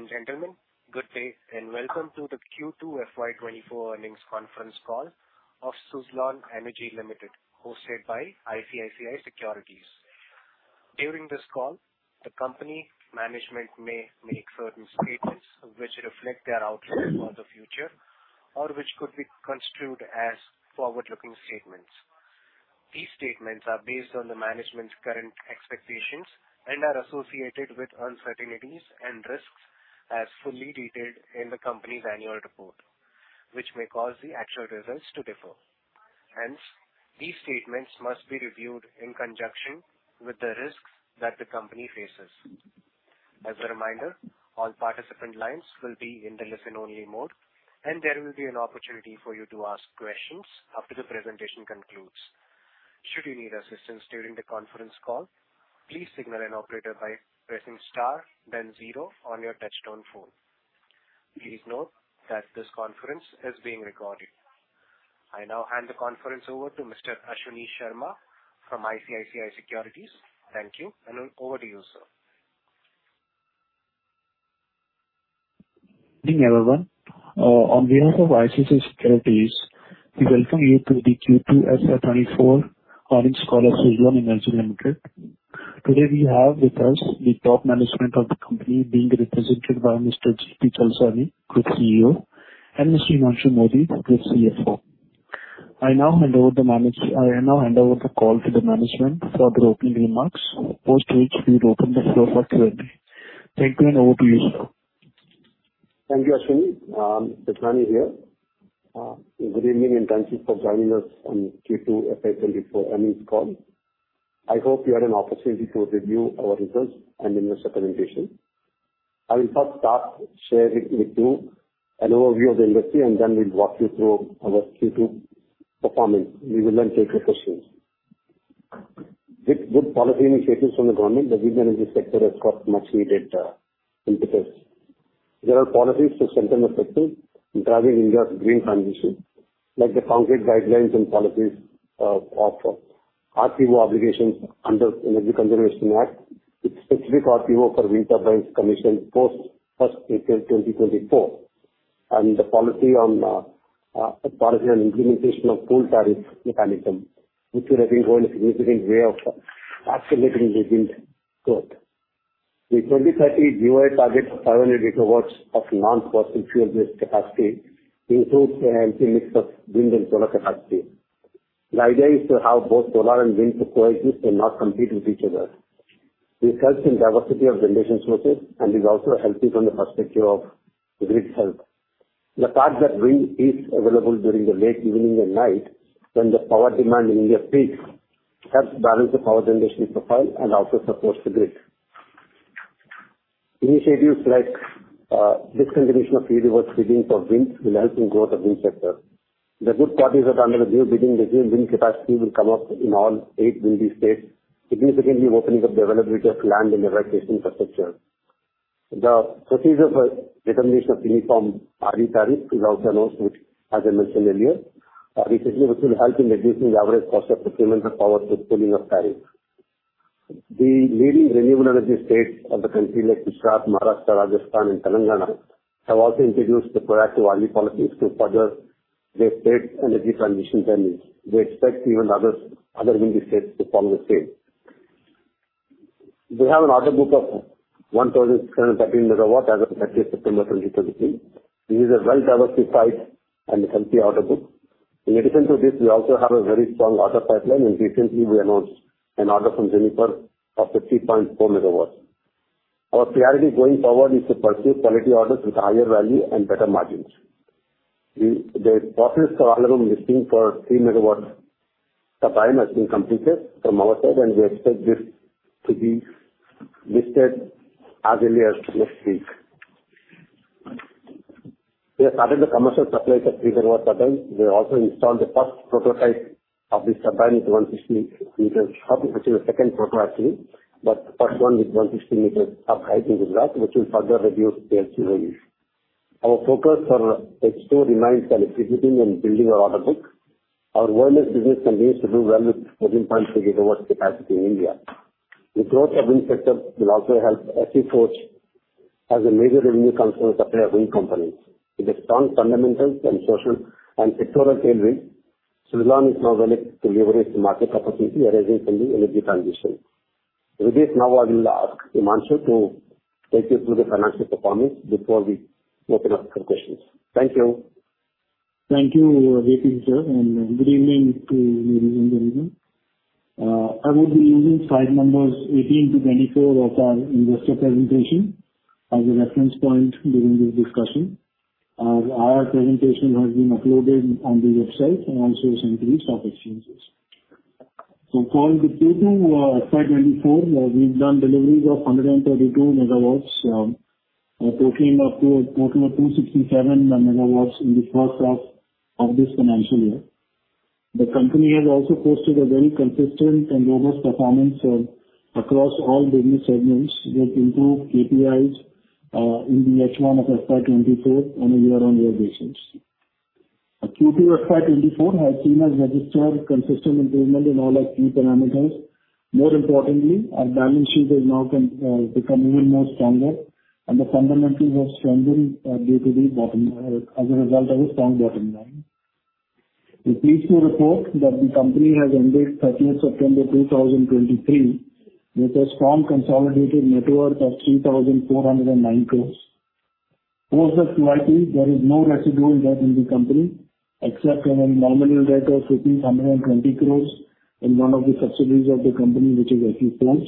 Ladies and gentlemen, good day, and welcome to the Q2 FY24 earnings conference call of Suzlon Energy Limited, hosted by ICICI Securities. During this call, the company management may make certain statements which reflect their outlook for the future, or which could be construed as forward-looking statements. These statements are based on the management's current expectations and are associated with uncertainties and risks as fully detailed in the company's annual report, which may cause the actual results to differ. Hence, these statements must be reviewed in conjunction with the risks that the company faces. As a reminder, all participant lines will be in the listen-only mode, and there will be an opportunity for you to ask questions after the presentation concludes. Should you need assistance during the conference call, please signal an operator by pressing star then zero on your touchtone phone. Please note that this conference is being recorded. I now hand the conference over to Mr. Ashwini Sharma from ICICI Securities. Thank you, and over to you, sir. Good evening, everyone. On behalf of ICICI Securities, we welcome you to the Q2 FY24 earnings call of Suzlon Energy Limited. Today we have with us the top management of the company being represented by Mr. J.P. Chalasani, Group CEO, and Mr. Himanshu Mody, Group CFO. I now hand over the call to the management for their opening remarks, post which we will open the floor for Q&A. Thank you, and over to you, sir. Thank you, Ashwini. J.P. Chalasani here. Good evening, and thank you for joining us on Q2 FY 2024 earnings call. I hope you had an opportunity to review our results and investor presentation. I will first start sharing with you an overview of the industry, and then we'll walk you through our Q2 performance. We will then take your questions. With good policy initiatives from the government, the wind energy sector has got much needed impetus. There are policies to center effective in driving India's green transition, like the concrete guidelines and policies of RPO obligations under Energy Conservation Act. With specific RPO for wind turbines commission post 1 April,2024, and the policy on policy and implementation of pooling tariff mechanism, which will have been going a significant way of accelerating the wind growth. The 2030 GOI target of 500 GW of non-fossil fuel-based capacity includes a healthy mix of wind and solar capacity. The idea is to have both solar and wind coexist and not compete with each other. This helps in diversity of generation sources and is also healthy from the perspective of grid health. The fact that wind is available during the late evening and night, when the power demand in India peaks, helps balance the power generation profile and also supports the grid. Initiatives like discontinuation of reverse bidding for wind will help in growth of wind sector. The good part is that under the new bidding, the wind capacity will come up in all eight windy states, significantly opening up the availability of land and the right infrastructure. The procedure for determination of uniform RE tariff is also announced, which as I mentioned earlier, recently, which will help in reducing the average cost of procurement of power to filling of tariff. The leading renewable energy states of the country, like Gujarat, Maharashtra, Rajasthan, and Telangana, have also introduced the proactive value policies to further their state energy transition plans. They expect even others, other windy states to follow the same. We have an order book of 1,613 MW as of 30 September 2023. This is a well-diversified and healthy order book. In addition to this, we also have a very strong order pipeline, and recently we announced an order from Juniper of 50.4 MW. Our priority going forward is to pursue quality orders with higher value and better margins. The process for listing for three MW supply has been completed from our side, and we expect this to be listed as early as next week. We have started the commercial supply for three MW turbines. We also installed the first prototype of this turbine, 160 meters, actually the second proto actually, but first one with 160 meters of height in the lab, which will further reduce our LCOE. Our focus for H2 remains executing and building our order book. Our wind business continues to do well with 14.3 GW capacity in India. The growth of wind sector will also help SE Forge as a major revenue contributor supplier of wind companies. With strong fundamentals and solar and sectoral tailwind, Suzlon is now well equipped to leverage the market opportunity arising from the energy transition. With this, now I will ask Himanshu to take you through the financial performance before we open up for questions. Thank you. Thank you, J.P., sir, and good evening to you. I will be using slide numbers 18-24 of our investor presentation as a reference point during this discussion. Our presentation has been uploaded on the website and also sent to the stock exchanges. For the Q2 FY 2024, we've done deliveries of 132 MW, a total of 267 MW in the first half of this financial year. The company has also posted a very consistent and robust performance across all business segments that improved KPIs in the H1 of FY 2024 on a year-on-year basis. Q2 FY 2024 has seen us register consistent improvement in all our key parameters. More importantly, our balance sheet has now can become even more stronger, and the fundamentals are strengthening due to the bottom as a result of a strong bottom line. We're pleased to report that the company has ended 30 September2023, with a strong consolidated net worth of 3,409 crore. Post the QIP, there is no residual debt in the company, except a nominal debt of rupees 1,520 crore in one of the subsidiaries of the company, which is SE Forge.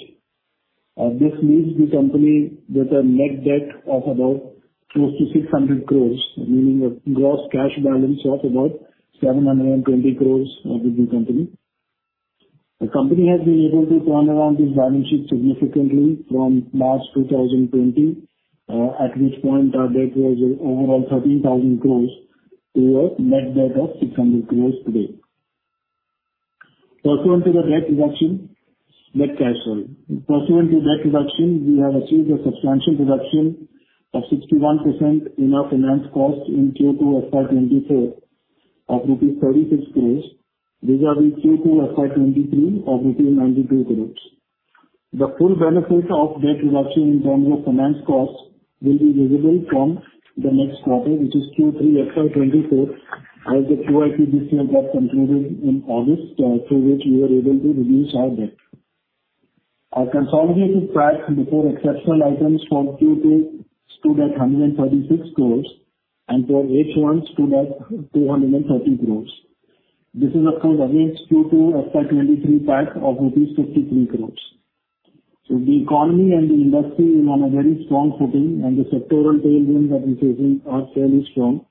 This leaves the company with a net debt of about close to 600 crore, meaning a gross cash balance of about 720 crore of the new company. The company has been able to turn around this balance sheet significantly from March 2020, at which point our debt was overall 13,000 crore to a net debt of 600 crore today. Pursuant to the debt reduction, net cash, sorry. Pursuant to debt reduction, we have achieved a substantial reduction of 61% in our finance cost in Q2 FY24 of INR 36 crore, vis-à-vis Q2 FY23 of rupees 92 crore. The full benefits of debt reduction in terms of finance costs will be visible from the next quarter, which is Q3 FY24, as the QIP issue and debt concluded in August, through which we were able to reduce our debt. Our consolidated PAT before exceptional items from Q2 stood at 136 crore and for H1 stood at 230 crore. This is, of course, against Q2 FY 2023 PAT of rupees 53 crore. So the economy and the industry is on a very strong footing, and the sectoral tailwinds that we're facing are fairly strong,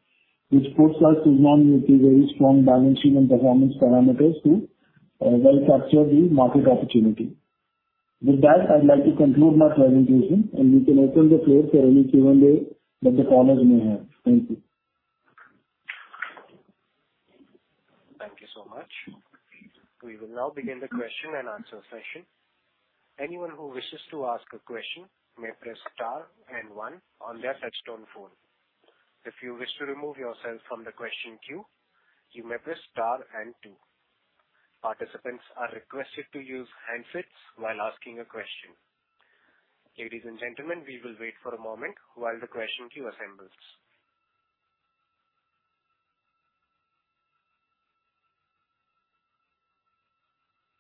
which puts us to now with a very strong balance sheet and performance parameters to, well capture the market opportunity. With that, I'd like to conclude my presentation, and we can open the floor for any Q&A that the callers may have. Thank you. Thank you so much. We will now begin the question and answer session. Anyone who wishes to ask a question may press star and one on their touchtone phone. If you wish to remove yourself from the question queue, you may press star and two. Participants are requested to use handsets while asking a question. Ladies and gentlemen, we will wait for a moment while the question queue assembles.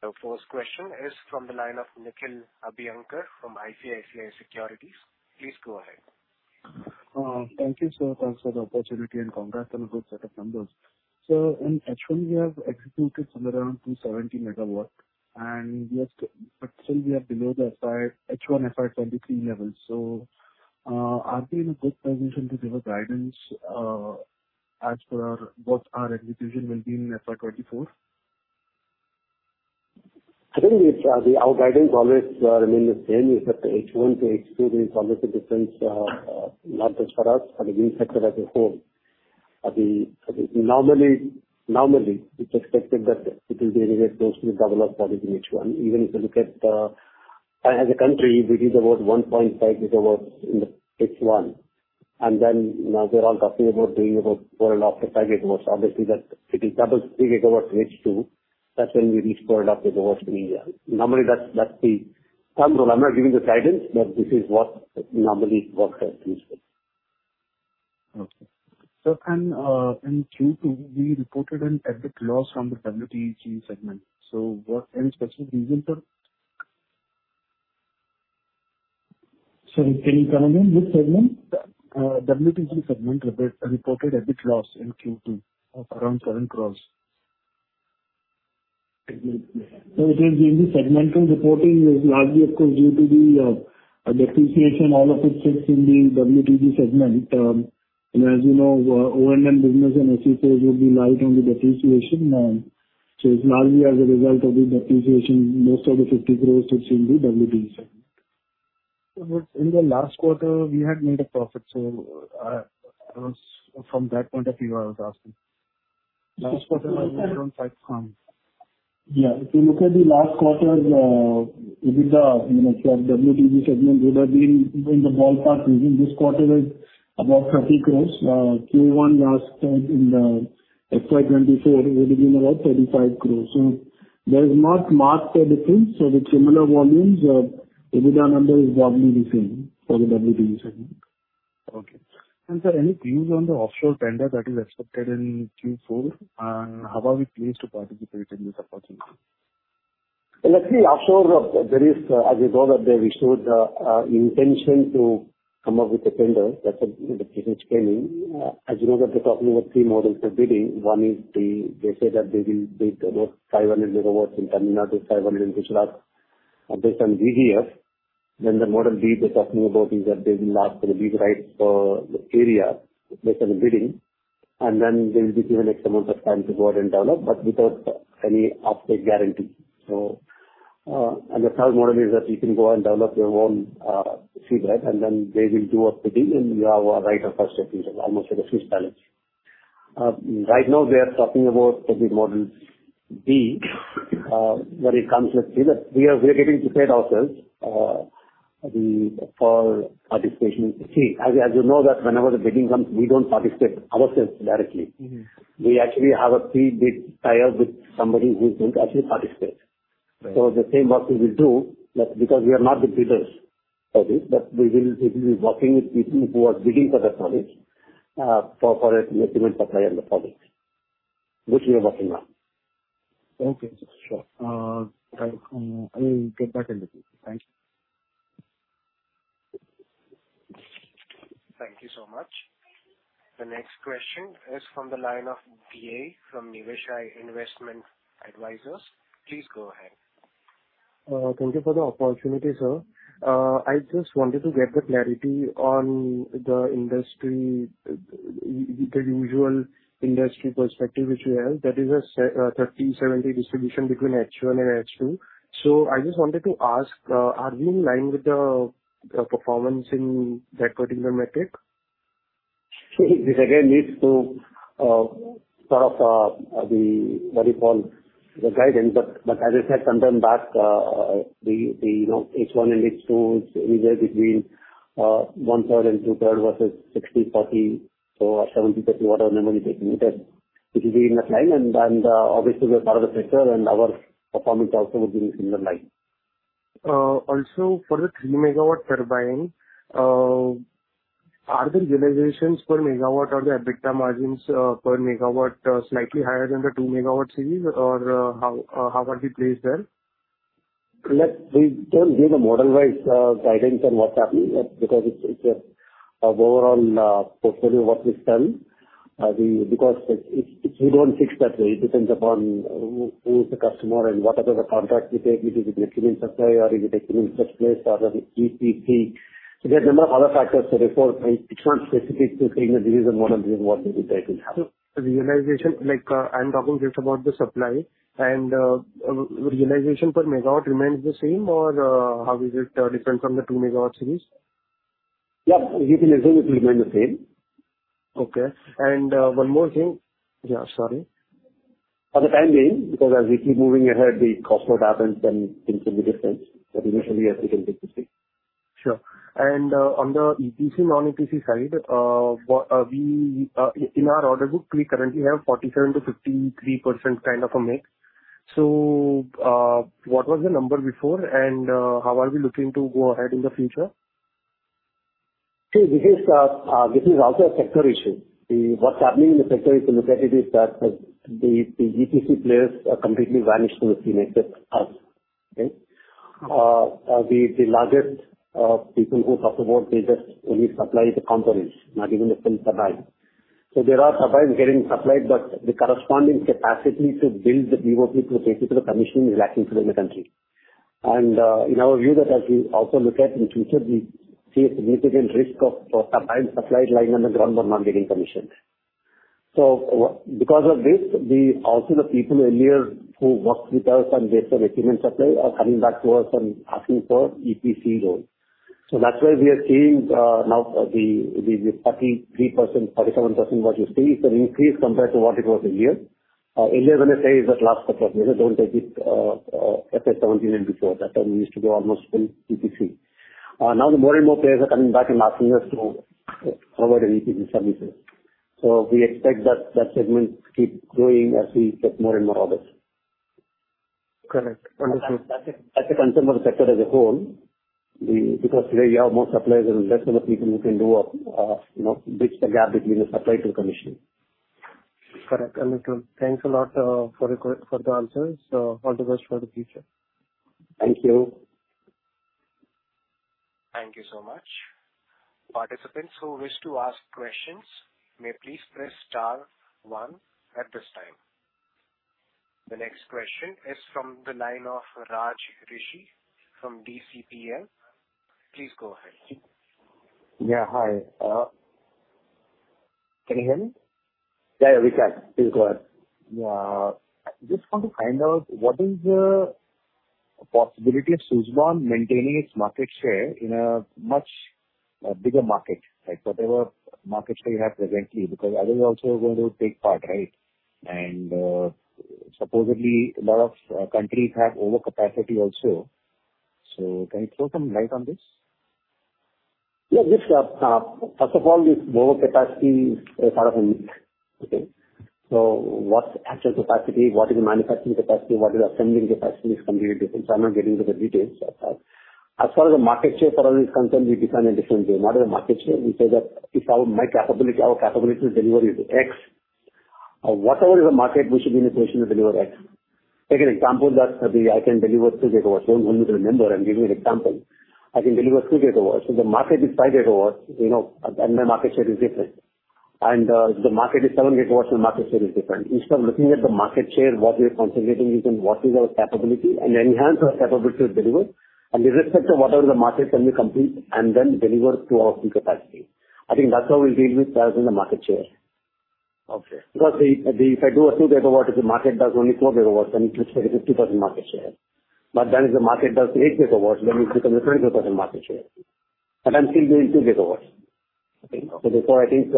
The first question is from the line of Nikhil Abhyankar from ICICI Securities. Please go ahead. Thank you, sir. Thanks for the opportunity and congrats on a good set of numbers. In H1, we have executed somewhere around 270 MW, and we have to- but still we are below the H1 FY 2023 levels. Are we in a good position to give a guidance, as per what our execution will be in FY 2024? I think it's our guidance always remain the same, is that the H1 to H2 is always a different market for us and the wind sector as a whole. Normally, it's expected that it will generate close to double of what is in H1. Even if you look at as a country, we did about 1.5 GW in the H1, and then now we're all talking about doing about 4.5-5 GW. Obviously, that it is double 3 GW in H2. That's when we reach 4.5 GW in India. Normally, that's the thumb rule. I'm not giving the guidance, but this is what normally what has been used. Okay. In Q2, we reported an EBIT loss from the WTG segment. So, what any specific reason for? Sorry, can you come again? Which segment? The WTG segment re-reported EBIT loss in Q2 of around 7 crore. So it is in the segmental reporting is largely, of course, due to the depreciation, all of it sits in the WTG segment. And as you know, O&M business and CCA would be live on the depreciation now. So it's largely as a result of the depreciation, most of the 50 crores, which will be WTG segment. But in the last quarter, we had made a profit, so, I was from that point of view, I was asking. Last quarter was around INR 5 crore. Yeah, if you look at the last quarter, it is, you know, the WTG segment would have been in the ballpark. Within this quarter is about 30 crore. Q1 last time in the FY 2024, it would have been about 35 crore. So there's not marked a difference. So the similar volumes, EBITDA number is broadly the same for the WTG segment. Okay. And sir, any views on the offshore tender that is expected in Q4? How are we placed to participate in this opportunity? Let's see, offshore, there is, as you know, that they showed intention to come up with a tender that's in which came in. As you know, that they're talking about three models of bidding. One is the, they say that they will build about 500 MW in Tamil Nadu, 500 in Gujarat based on VGF. Then the model B, they're talking about is that they will ask for the big rights for the area based on the bidding, and then they will be given X amount of time to go out and develop, but without any offtake guarantee. So, and the third model is that you can go and develop your own, seabed, and then they will do a bidding, and you have a right of first refusal, almost like a Swiss balance. Right now they are talking about the model B, when it comes to seabed. We are getting prepared ourselves. ... the form for participation. See, as you know, that whenever the bidding comes, we don't participate ourselves directly. Mm-hmm. We actually have a pre-bid tie-up with somebody who will actually participate. Right. The same work we will do, but because we are not the bidders for this, but we will, we will be working with people who are bidding for the project, for an equipment supply in the project, which we are working on. Okay, sure. Thank you. I will get back in the queue. Thank you. Thank you so much. The next question is from the line of VA from Niveshaay Investment Advisors. Please go ahead. Thank you for the opportunity, sir. I just wanted to get the clarity on the industry, the usual industry perspective, which we have. That is a 30-70 distribution between H1 and H2. So I just wanted to ask, are you in line with the performance in that particular metric? This again leads to sort of the, what you call, the guidance, but as I said sometime back, you know, H1 and H2 is usually between 1/3 and 2/3 versus 60/40 or 70/30, whatever number is taken, which is in the time and obviously we are part of the sector and our performance also would be in the line. Also, for the 3-MW turbine, are the realizations per MW or the EBITDA margins per MW slightly higher than the 2-MW series, or how are we placed there? We don't give a model-wise guidance on what's happening, because it's, it's a, of overall portfolio what we've done. We... Because it, it, we don't fix that way. It depends upon who is the customer and whatever the contract we take, which is the equipment supply or is it a clean supply or composite or the EPC. There are number of other factors to report. It's not specific to saying that this is a model, this is what will take. So the realization, like, I'm talking just about the supply and realization per MW remains the same or how is it different from the 2 MW series? Yeah, utilization it will remain the same. Okay. And, one more thing. Yeah, sorry. For the time being, because as we keep moving ahead, the cost load happens and things will be different. But initially, yes, we can get to see. Sure. On the EPC, non-EPC side, what we, in our order book, we currently have 47%-53% kind of a mix. What was the number before, and how are we looking to go ahead in the future? See, this is also a sector issue. What's happening in the sector, if you look at it, is that the EPC players are completely vanished in the scene, except us. Okay? Mm. The largest people who talk about, they just only supply the components, not even the full supply. So there are supplies getting supplied, but the corresponding capacity to build the BOP to the basic to the commissioning is lacking today in the country. In our view, that as we also look at in future, we see a significant risk of supply lying on the ground or not getting commissioned. So because of this, the also the people earlier who worked with us and based on equipment supply, are coming back to us and asking for EPC role. So that's why we are seeing now the 33%, 37% what you see is an increase compared to what it was a year. Earlier when I say is that last year, don't take it as a 17 and before that time it used to be almost full EPC. Now the more and more players are coming back and asking us to provide an EPC services. So we expect that, that segment to keep growing as we get more and more orders. Correct. Understood. As a consumer sector as a whole, we, because today we have more suppliers and less number of people who can do a, you know, bridge the gap between the supply to commission. Correct. Thanks a lot for the answers. All the best for the future. Thank you. Thank you so much. Participants who wish to ask questions may please press star one at this time. The next question is from the line of Raj Rishi from DCP India. Please go ahead. Yeah, hi. Can you hear me? Yeah, we can. Please go ahead. I just want to find out what is the possibility of Suzlon maintaining its market share in a much bigger market? Like whatever market share you have presently, because others are also going to take part, right? And supposedly a lot of countries have overcapacity also. So can you throw some light on this? Yeah, this, first of all, this overcapacity is sort of a myth. Okay? So what's the actual capacity? What is the manufacturing capacity? What is the assembling capacity is completely different. So I'm not getting into the details of that. As far as the market share for us is concerned, we define a different way. What is the market share? We say that if our, my capability, our capability to deliver is X, whatever is the market, we should be in a position to deliver X. Take an example that the I can deliver 2 GW. So when you remember, I'm giving you an example, I can deliver 2 GW. So the market is 5 GW, you know, and my market share is different. And if the market is 7 GW, my market share is different. Instead of looking at the market share, what we are concentrating is on what is our capability, and enhance our capability to deliver, and irrespective of whatever the market can be complete, and then deliver to our full capacity. I think that's how we deal with as in the market share. Okay. Because if I do 2 GW, if the market does only 4 GW, then it takes a 50% market share. But then if the market does 8 GW, then it becomes a 20% market share... but I'm still going to get over, okay? So therefore, I think,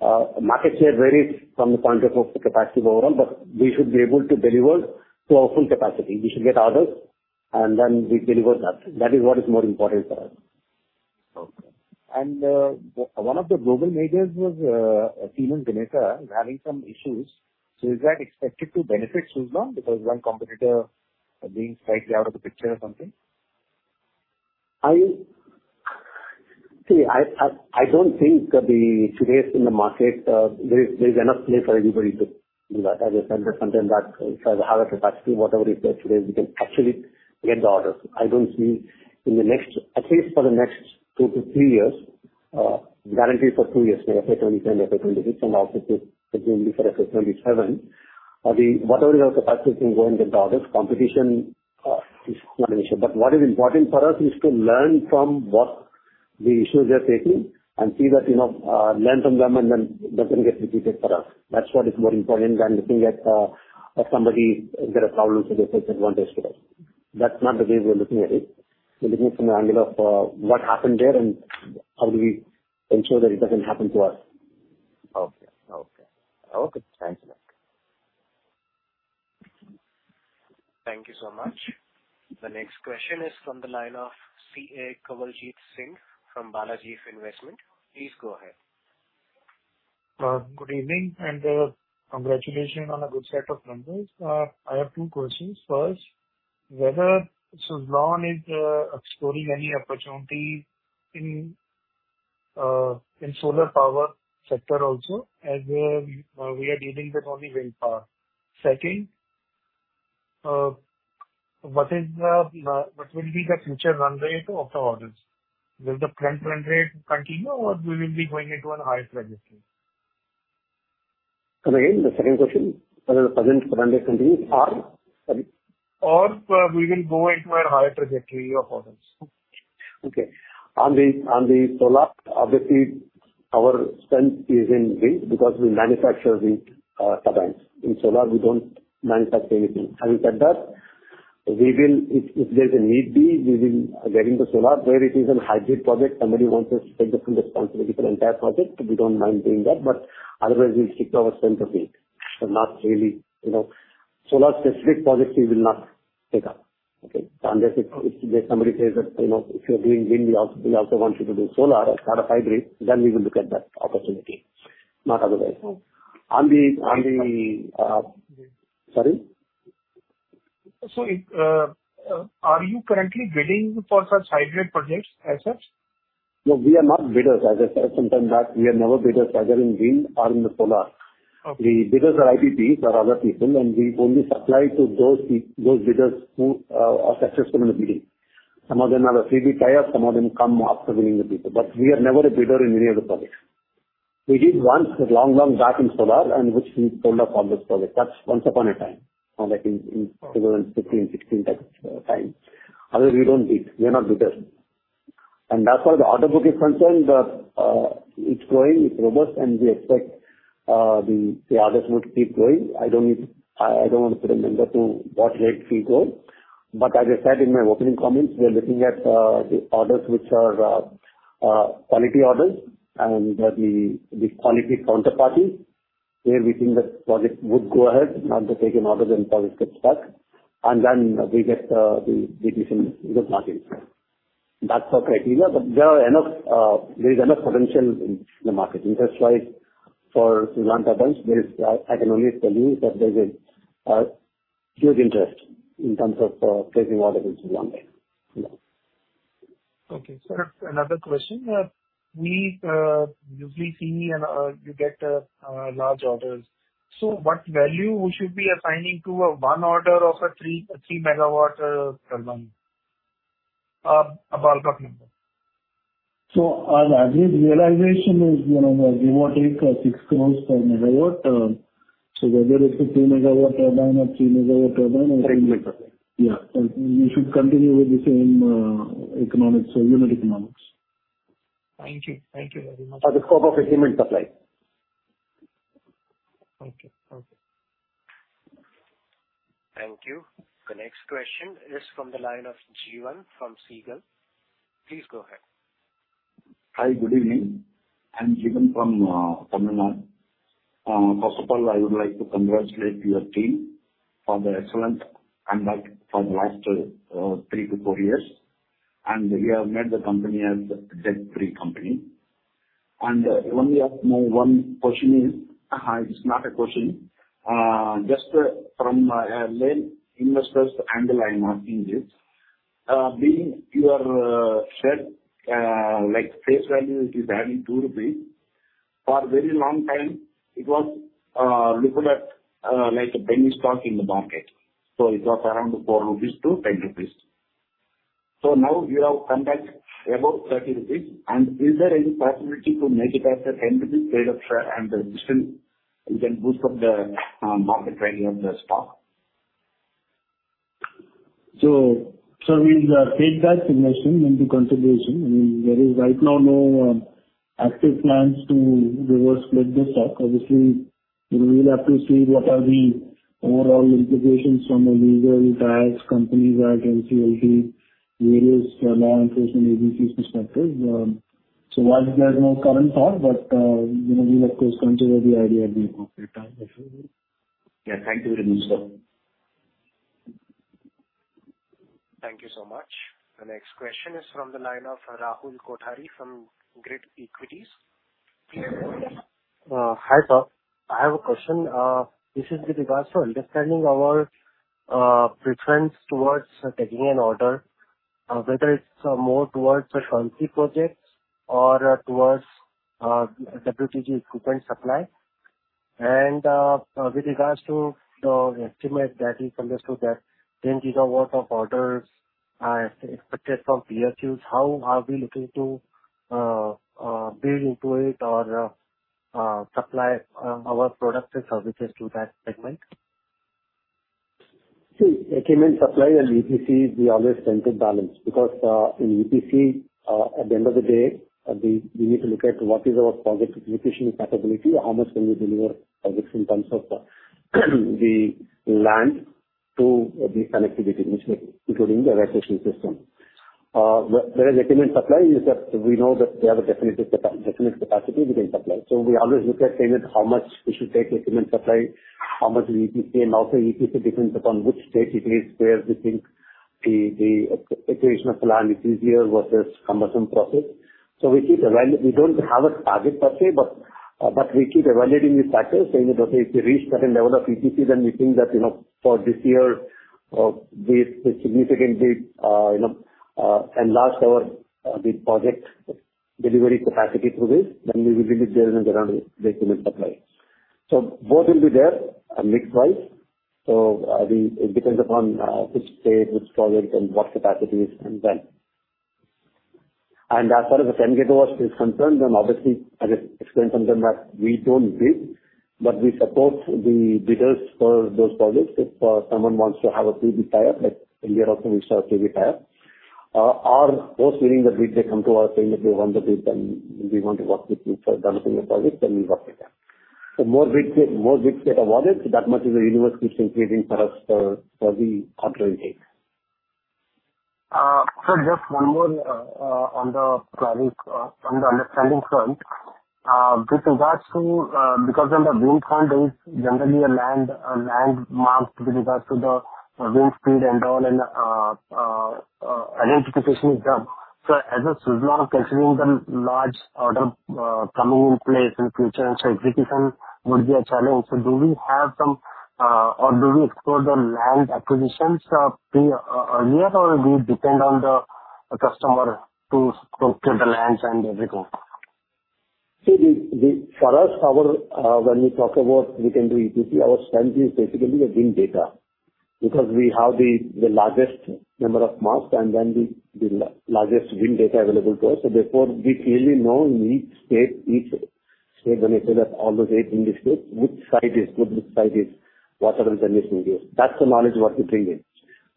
market share varies from the point of view of the capacity overall, but we should be able to deliver to our full capacity. We should get orders and then we deliver that. That is what is more important for us. Okay. And one of the global majors was Siemens Gamesa having some issues. So is that expected to benefit Suzlon because one competitor being slightly out of the picture or something? I see, I don't think that today's in the market, there is enough play for everybody to do that. As I said sometime back, if I have a capacity, whatever is there today, we can actually get the orders. I don't see in the next, at least for the next 2 to 3 years, guaranteed for 2 years, maybe 2025, 2026, and also again, before 2027. Whatever the capacity can go and get the orders, competition is not an issue. But what is important for us is to learn from what the issues they are facing and see that, you know, learn from them and then doesn't get repeated for us. That's what is more important than looking at, somebody, if there are problems, so they take advantage today. That's not the way we're looking at it. We're looking from the angle of what happened there and how do we ensure that it doesn't happen to us. Okay. Okay. Okay, thanks a lot. Thank you so much. The next question is from the line of CA Kanwaljeet Singh from Balaji Investments. Please go ahead. Good evening, and congratulations on a good set of numbers. I have two questions. First, whether Suzlon is exploring any opportunity in solar power sector also, as we are dealing with only wind power. Second, what will be the future run rate of the orders? Will the current run rate continue, or we will be going into a higher trajectory? Come again, the second question, whether the present run rate continues or? Sorry. Or we will go into a higher trajectory of orders. Okay. On the solar, obviously, our strength is in wind because we manufacture wind turbines. In solar, we don't manufacture anything. Having said that, we will, if there's a need be, we will get into solar where it is a hybrid project. Somebody wants us to take the responsibility for the entire project, we don't mind doing that, but otherwise we'll stick to our center field. But not really, you know, solar specific projects we will not take up. Okay? Unless if somebody says that, you know, if you're doing wind, we also want you to do solar as part of hybrid, then we will look at that opportunity. Not otherwise. On the, on the... Sorry? So, if are you currently bidding for such hybrid projects as such? No, we are not bidders. As I said some time back, we are never bidders, either in wind or in the solar. Okay. The bidders are IPPs or other people, and we only supply to those those bidders who are successful in the bidding. Some of them have a pre-bid tie-up, some of them come after winning the bidder. But we are never a bidder in any of the projects. We did once, long, long back in solar and which we sold off all those projects. That's once upon a time, like in, in around 2015, 2016 type time. Otherwise, we don't bid. We are not bidders. And as far as the order book is concerned, it's growing, it's robust, and we expect the orders would keep growing. I don't want to put a number to what rate we grow, but as I said in my opening comments, we are looking at the orders which are quality orders and the quality counterparties, where we think the project would go ahead, not to take an order then project gets stuck, and then we get the deficient in the market. That's our criteria, but there are enough, there is enough potential in the market. Interest wise, for Suzlon turbines, there is, I can only tell you that there's a huge interest in terms of taking orders in Suzlon, yeah. Okay. Sir, another question. We usually see and you get large orders. So what value we should be assigning to an order of a 3, a 3-MW turbine? A ballpark number. Our average realization is, you know, we take 6 crore per MW. So whether it's a 3 MW turbine or 3 MW turbine- Thank you. Yeah, and we should continue with the same economics or unit economics. Thank you. Thank you very much. At the scope of equipment supply. Okay. Okay. Thank you. The next question is from the line of Jeevan from Seagull. Please go ahead. Hi, good evening. I'm Jeevan from Mumbai. First of all, I would like to congratulate your team for the excellent comeback for the last 3-4 years, and we have made the company as a debt-free company. Only I have one question is, it's not a question, just from a lay investor's underlying market in this, being your share, like, face value, it is having 2 rupees. For a very long time, it was looking at like a penny stock in the market. So it was around 4-10 rupees. So now you have come back about 30 rupees, and is there any possibility to make it as a 10 rupees trade of share and the system, you can boost up the market value of the stock? So we take that suggestion into consideration. I mean, there is right now no... active plans to reverse split the stock. Obviously, we will have to see what are the overall implications from the legal tax companies like NCLT, various law enforcement agencies perspective. So while there is no current thought, but, you know, we will of course consider the idea at the appropriate time. Yeah. Thank you very much, sir. Thank you so much. The next question is from the line of Rahul Kothari from Grit Equities. Please go ahead. Hi, sir. I have a question. This is with regards to understanding our preference towards taking an order, whether it's more towards the SECI projects or towards WTG equipment supply. With regards to the estimate that we understood that 10 GW of orders are expected from EPCs, how are we looking to build into it or supply our products and services to that segment? See, equipment supply and EPC, we always tend to balance. Because in EPC, at the end of the day, we need to look at what is our project execution capability, how much can we deliver projects in terms of the land to the connectivity, which including the erection system. Whereas equipment supply is that we know that they have a definite capacity we can supply. So we always look at saying that how much we should take equipment supply, how much EPC, and also EPC depends upon which state it is, where we think the acquisition of land is easier versus cumbersome process. So we keep evaluating the factors, saying that, okay, if we reach certain level of EPC, then we think that, you know, for this year, we significantly, you know, enlarge our, the project delivery capacity through this, then we will release there and around the equipment supply. So both will be there, mix wise. So, it depends upon which state, which project, and what capacities and when. And as far as the 10 GW is concerned, then obviously, as I explained sometime that we don't bid, but we support the bidders for those projects. If someone wants to have a pre-bid tie-up, like India also we saw pre-bid tie-up. Or post winning the bid, they come to us saying that we want to bid and we want to work with you for developing a project, then we work with them. So more bids, more bids get awarded, so that much is the universe which is increasing for us, for, for the operator. So just one more on the planning on the understanding front. With regards to, because then the wind farm is generally a land, a land marked with regards to the wind speed and all, and identification is done. So as a Suzlon, considering the large order coming in place in future, so execution would be a challenge. So do we have some or do we explore the land acquisitions pre earlier, or we depend on the customer to secure the lands and everything? See, for us, our, when we talk about we can do EPC, our strength is basically the wind data. Because we have the largest number of masts and then the largest wind data available to us. So therefore, we clearly know in each state, when I say that almost 8 Indian states, which site is, what are the generation yields. That's the knowledge what we bring in.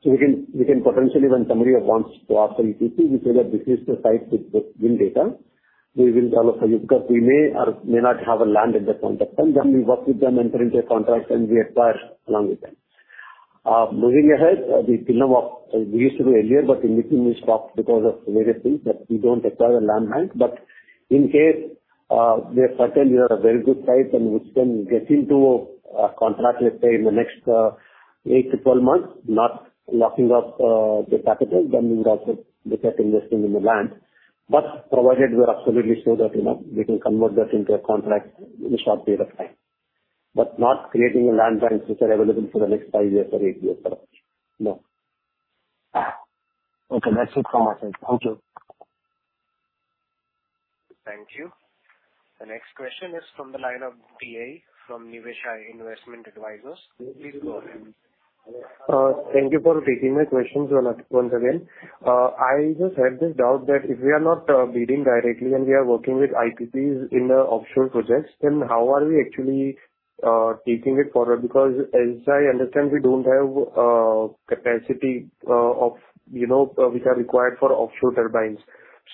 So we can potentially, when somebody wants to offer EPC, we say that this is the site with the wind data, we will develop for you, because we may or may not have a land at that point of time. Then we work with them and enter into a contract, and we acquire along with them. Moving ahead, the pillar of we used to do earlier, but in between we stopped because of various things, but we don't acquire a land bank. But in case we are certain we are a very good site and which can get into a contract, let's say, in the next 8-12 months, not locking up the packages, then we would also look at investing in the land. But provided we are absolutely sure that, you know, we can convert that into a contract in a short period of time. But not creating a land bank which are available for the next 5 years or 8 years, no. Okay, that's it from my side. Thank you. Thank you. The next question is from the line of VA from Nivesha Investment Advisors. Please go ahead. Thank you for taking my questions once again. I just had this doubt that if we are not bidding directly and we are working with IPPs in the offshore projects, then how are we actually taking it forward? Because as I understand, we don't have capacity of, you know, which are required for offshore turbines.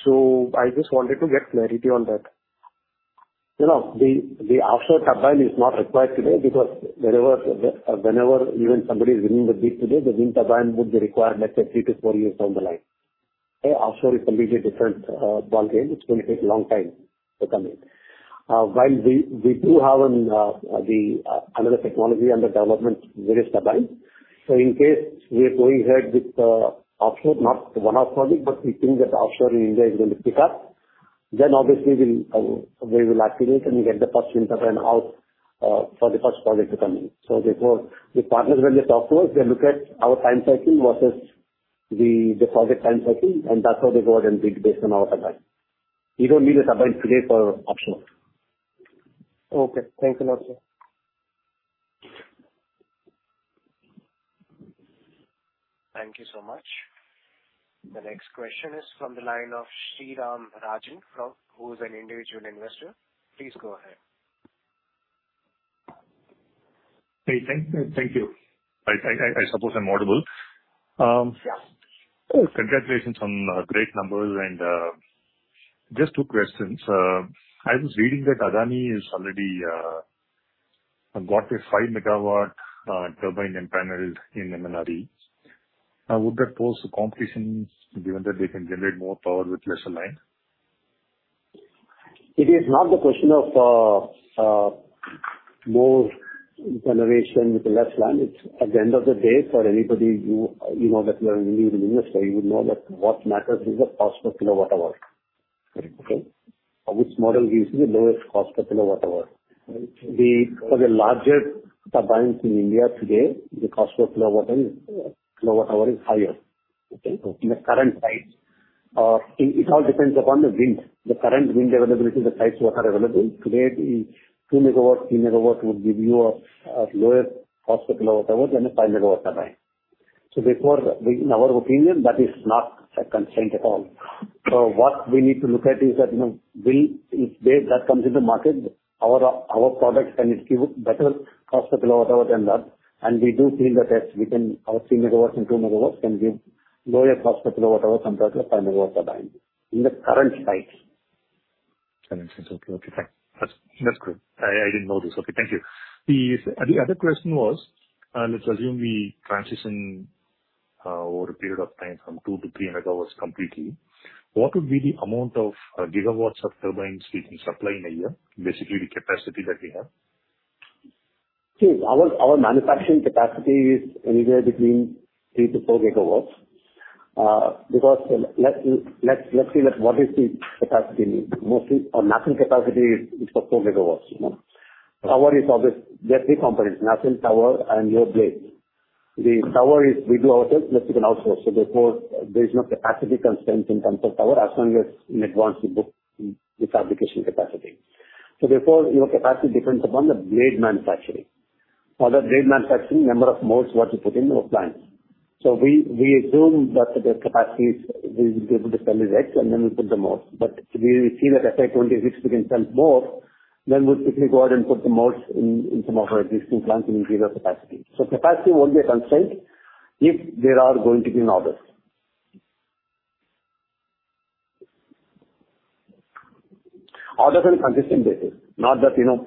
So I just wanted to get clarity on that. You know, the offshore turbine is not required today because wherever, whenever even somebody is winning the bid today, the wind turbine would be required, let's say, 3-4 years down the line. Okay? Offshore is completely different ballgame. It's going to take a long time to come in. While we do have another technology under development, various turbines. So in case we are going ahead with offshore, not one offshore, but we think that offshore in India is going to pick up, then obviously we'll activate and we get the first wind turbine out for the first project to come in. So therefore, the partners, when they talk to us, they look at our time cycle versus the project time cycle, and that's how they go out and bid based on our turbine. We don't need a turbine today for offshore. Okay, thank you a lot, sir. Thank you so much. The next question is from the line of Sriram Rajan, who is an individual investor. Please go ahead. Hey, thank you. I suppose I'm audible. Yeah. Congratulations on great numbers, and just two questions. I was reading that Adani has already got a 5-MW turbine and panels in MNRE. Now, would that pose a competition, given that they can generate more power with less land? It is not the question of more generation with the less land. It's at the end of the day, for anybody, you know, that you are in industry, you would know that what matters is the cost per kilowatt hour. Right. Okay. Which model gives you the lowest cost per kWh. For the larger turbines in India today, the cost per kWh is higher. Okay? So in the current sites, it all depends upon the wind, the current wind availability, the sites what are available. Today, the 2-MW, 3-MW would give you a lower cost per kWh than a 5-MW turbine. So therefore, in our opinion, that is not a constraint at all. So what we need to look at is that, you know, will if blade that comes into the market, our products can give better cost per kWh than that. And we do feel that our 3-MW and 2-MW can give lower cost per kWh compared to a 5-MW turbine in the current sites. Current sites. Okay, okay, thank you. That's, that's great. I, I didn't know this. Okay, thank you. The other question was, let's assume we transition over a period of time from 2-3 MW completely. What would be the amount of GW of turbines we can supply in a year? Basically, the capacity that we have. See, our manufacturing capacity is anywhere between 3-4 GW. Because let's see what the capacity need is? Mostly our nacelle capacity is for 4 MW, you know. Tower is obvious, there are three components, nacelle, tower, and your blade. The tower we do ourselves, but you can outsource. So therefore, there is no capacity constraint in terms of tower, as long as in advance you book the fabrication capacity. So therefore, your capacity depends upon the blade manufacturing. For the blade manufacturing, number of molds what you put in your plant. So we assume that the capacity we'll be able to sell is X, and then we put the molds. But we see that if say 26, we can sell more, then we typically go out and put the molds in, in some of our existing plants and increase our capacity. So capacity won't be a constraint if there are going to be orders. Orders on a consistent basis, not that, you know,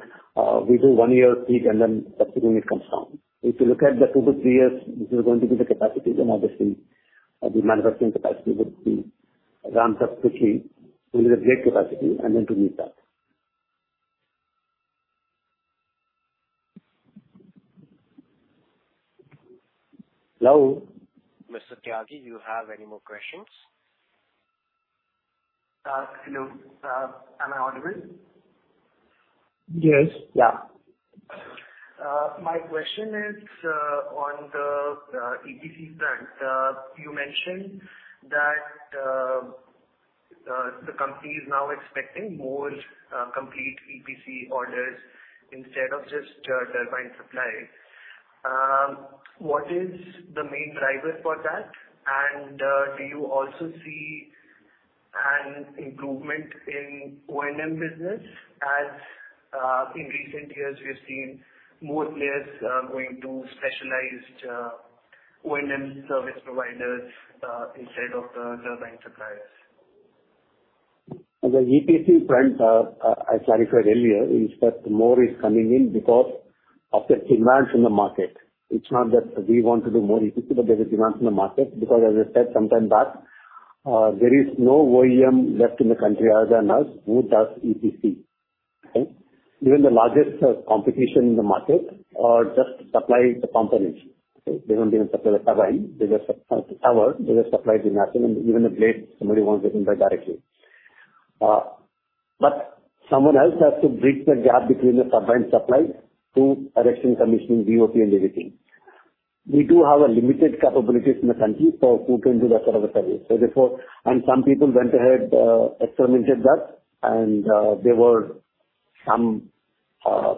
we do one year peak and then subsequently it comes down. If you look at the 2-3 years, this is going to be the capacity, then obviously, the manufacturing capacity would be ramped up quickly to the blade capacity and then to meet that. Hello, Mr. Rajan, do you have any more questions? Hello, am I audible? Yes. Yeah. My question is on the EPC front. You mentioned that the company is now expecting more complete EPC orders instead of just turbine supply. What is the main driver for that? And do you also see an improvement in O&M business? As in recent years, we have seen more players going to specialized O&M service providers instead of the turbine suppliers. The EPC front, I clarified earlier, is that more is coming in because of the demand in the market. It's not that we want to do more EPC, but there is demand in the market. Because as I said sometime back, there is no OEM left in the country other than us, who does EPC, okay? Even the largest, competition in the market, just supply the components, okay? They don't even supply the turbine. They just supply the tower, they just supply the nacelle and even the blade, somebody wants it, they buy directly. But someone else has to bridge the gap between the turbine supply to erection, commissioning, BOP, and everything. We do have a limited capabilities in the country for who can do that sort of a service. So therefore... Some people went ahead, experimented that, and there were some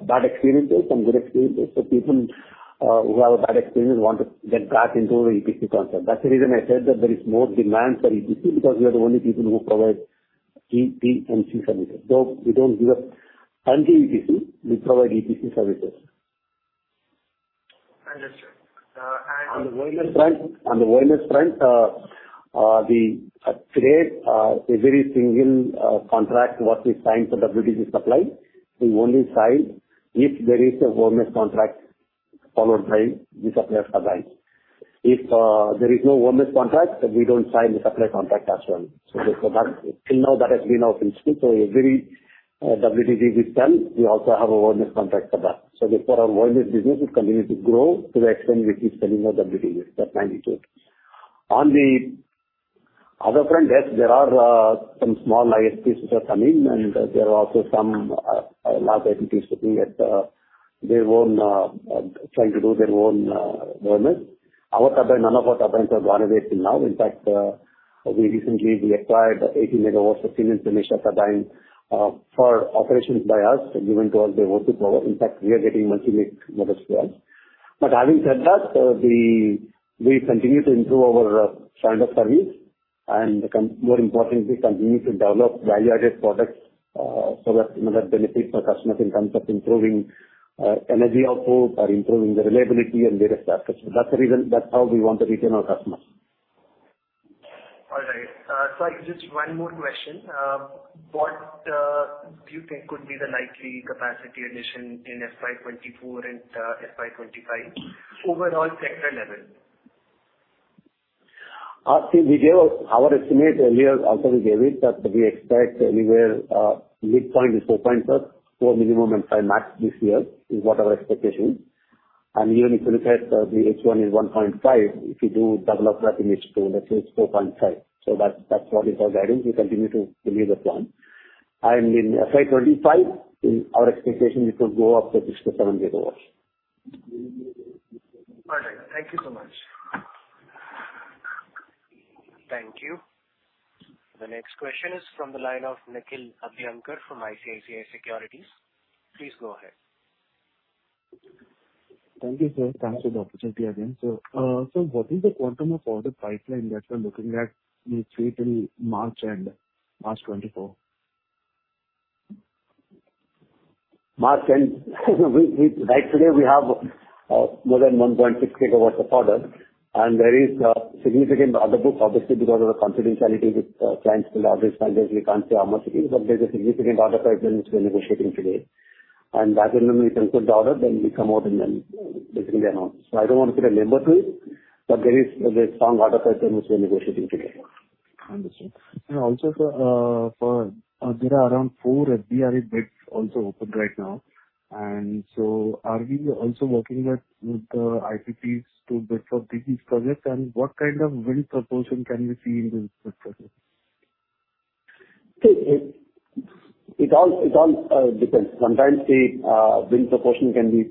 bad experiences, some good experiences. So people who have a bad experience want to get back into the EPC concept. That's the reason I said that there is more demand for EPC, because we are the only people who provide EP and C services. So we don't give up anti-EPC, we provide EPC services. I understand. On the O&M front, on the O&M front, today, every single contract what we sign for the WTG supply, we only sign if there is an O&M contract followed by the supply of turbine. If there is no O&M contract, then we don't sign the supply contract as well. So therefore, that till now that has been our principle. So every WTD we sell, we also have an O&M contract for that. So therefore, our O&M business will continue to grow to the extent we keep selling our WTDs, that magnitude. On the other front, yes, there are some small IPPs which are coming, and there are also some large entities looking at their own, trying to do their own O&M. Our turbine, none of our turbines have gone away till now. In fact, we recently acquired 18 MW of Siemens Gamesa turbine for operations by us, given to us by O2 Power. In fact, we are getting multi-MW as well. Having said that, we continue to improve our standard of service. More importantly, we continue to develop value-added products, you know, that benefits our customers in terms of improving energy output or improving the reliability and various aspects. That's the reason, that's how we want to retain our customers. All right. I have just one more question. What do you think could be the likely capacity addition in FY 2024 and FY 2025, overall sector level? See, we gave our, our estimate earlier. Also, we gave it that we expect anywhere, midpoint to 4.4, 4 minimum and 5 max this year, is what our expectation. And even if you look at the H1 is 1.5, if you do double of that in H2, let's say it's 4.5. So that's what we are guiding. We continue to believe the plan. In FY 2025, in our expectation, it could go up to 6-7 GW. All right. Thank you so much. Thank you. The next question is from the line of Nikhil Abhyankar from ICICI Securities. Please go ahead. Thank you, sir. Thanks for the opportunity again. So, what is the quantum of order pipeline that you're looking at between March and March 2024? March, and we. Right, today, we have more than 1.6 GW of order, and there is a significant order book, obviously, because of the confidentiality with clients and obvious standards. We can't say how much it is, but there's a significant order pipeline which we're negotiating today. And that when we conclude the order, then we come out and then basically announce. So I don't want to give a number to you, but there is a strong order pipeline which we're negotiating today. Understood. Also, sir, there are around four FDRE bids also open right now. So are we also working with the IPPs to bid for these projects, and what kind of wind proportion can we see in this project? So it all depends. Sometimes the wind proportion can be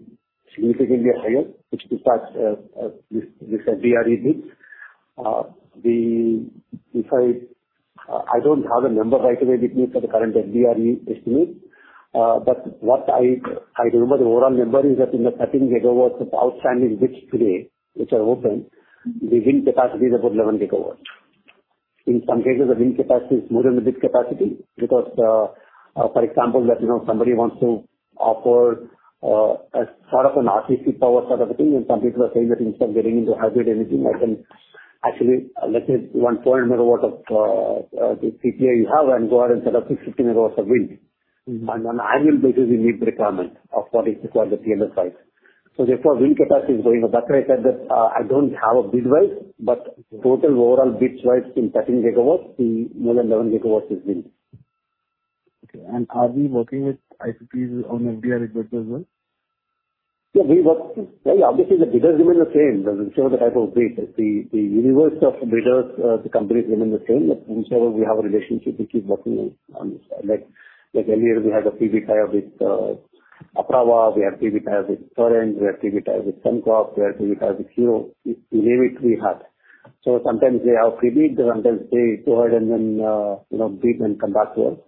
significantly higher, which starts with FDRE bids. If I don't have a number right away with me for the current FDRE estimate, but what I remember the overall number is that in the 13 GW of outstanding bids today, which are open, the wind capacity is about 11 GW. In some cases, the wind capacity is more than the bid capacity, because, for example, you know, somebody wants to offer a sort of an RCC power sort of a thing, and some people are saying that instead of getting into hybrid anything, I can actually, let's say, 1 MW of the CPA you have and go out and set up 650 MW of wind. On an annual basis, you meet the requirement of what is required, the PMS size. So therefore, wind capacity is going up. That's why I said that, I don't have a bid wise, but total overall bids wise, in 13 GW, the more than 11 GW is wind. Okay. And are we working with IPPs on FDRE bids as well? Yeah, we work... Yeah, obviously, the bidders remain the same, whichever the type of bid. The universe of bidders, the companies remain the same. Whichever we have a relationship, we keep working on this. Like earlier, we had a pre-bid tie-up with Apraava, we have pre-bid tie-up with Torrent, we have pre-bid tie-up with Sembcorp, we have pre-bid tie-up with Hero. You name it, we have. So sometimes they have pre-bid, and then they go ahead and then, you know, bid and come back to us.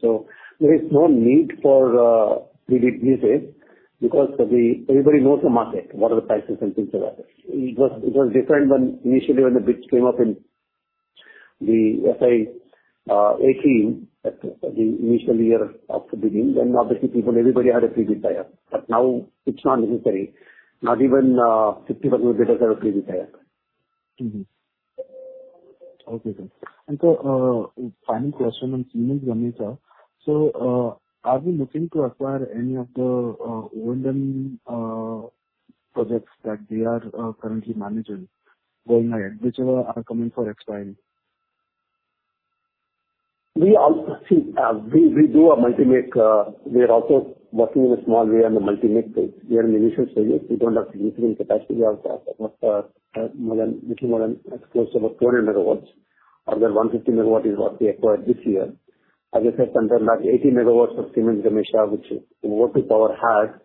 So there is no need for pre-bid usage because everybody knows the market, what are the prices and things like that. It was different when initially when the bids came up in the FY 2018, at the initial year of the beginning, then obviously people, everybody had a pre-bid tie-up. But now it's not necessary. Not even 50% of bidders have a pre-bid tie-up. Mm-hmm. Okay, sir. And so, final question on Siemens Gamesa. So, are we looking to acquire any of the wind farm projects that we are currently managing, going ahead, which are coming for expiry? We also... See, we do a multi-make, we are also working in a small way on the multi-make side. We are in the initial stages. We do not have significant capacity. We have more than, little more than, close to about 40 MW. Of that, 150 MW is what we acquired this year. As I said, sometime back, 80 MW of Siemens Gamesa, which Inverter Power has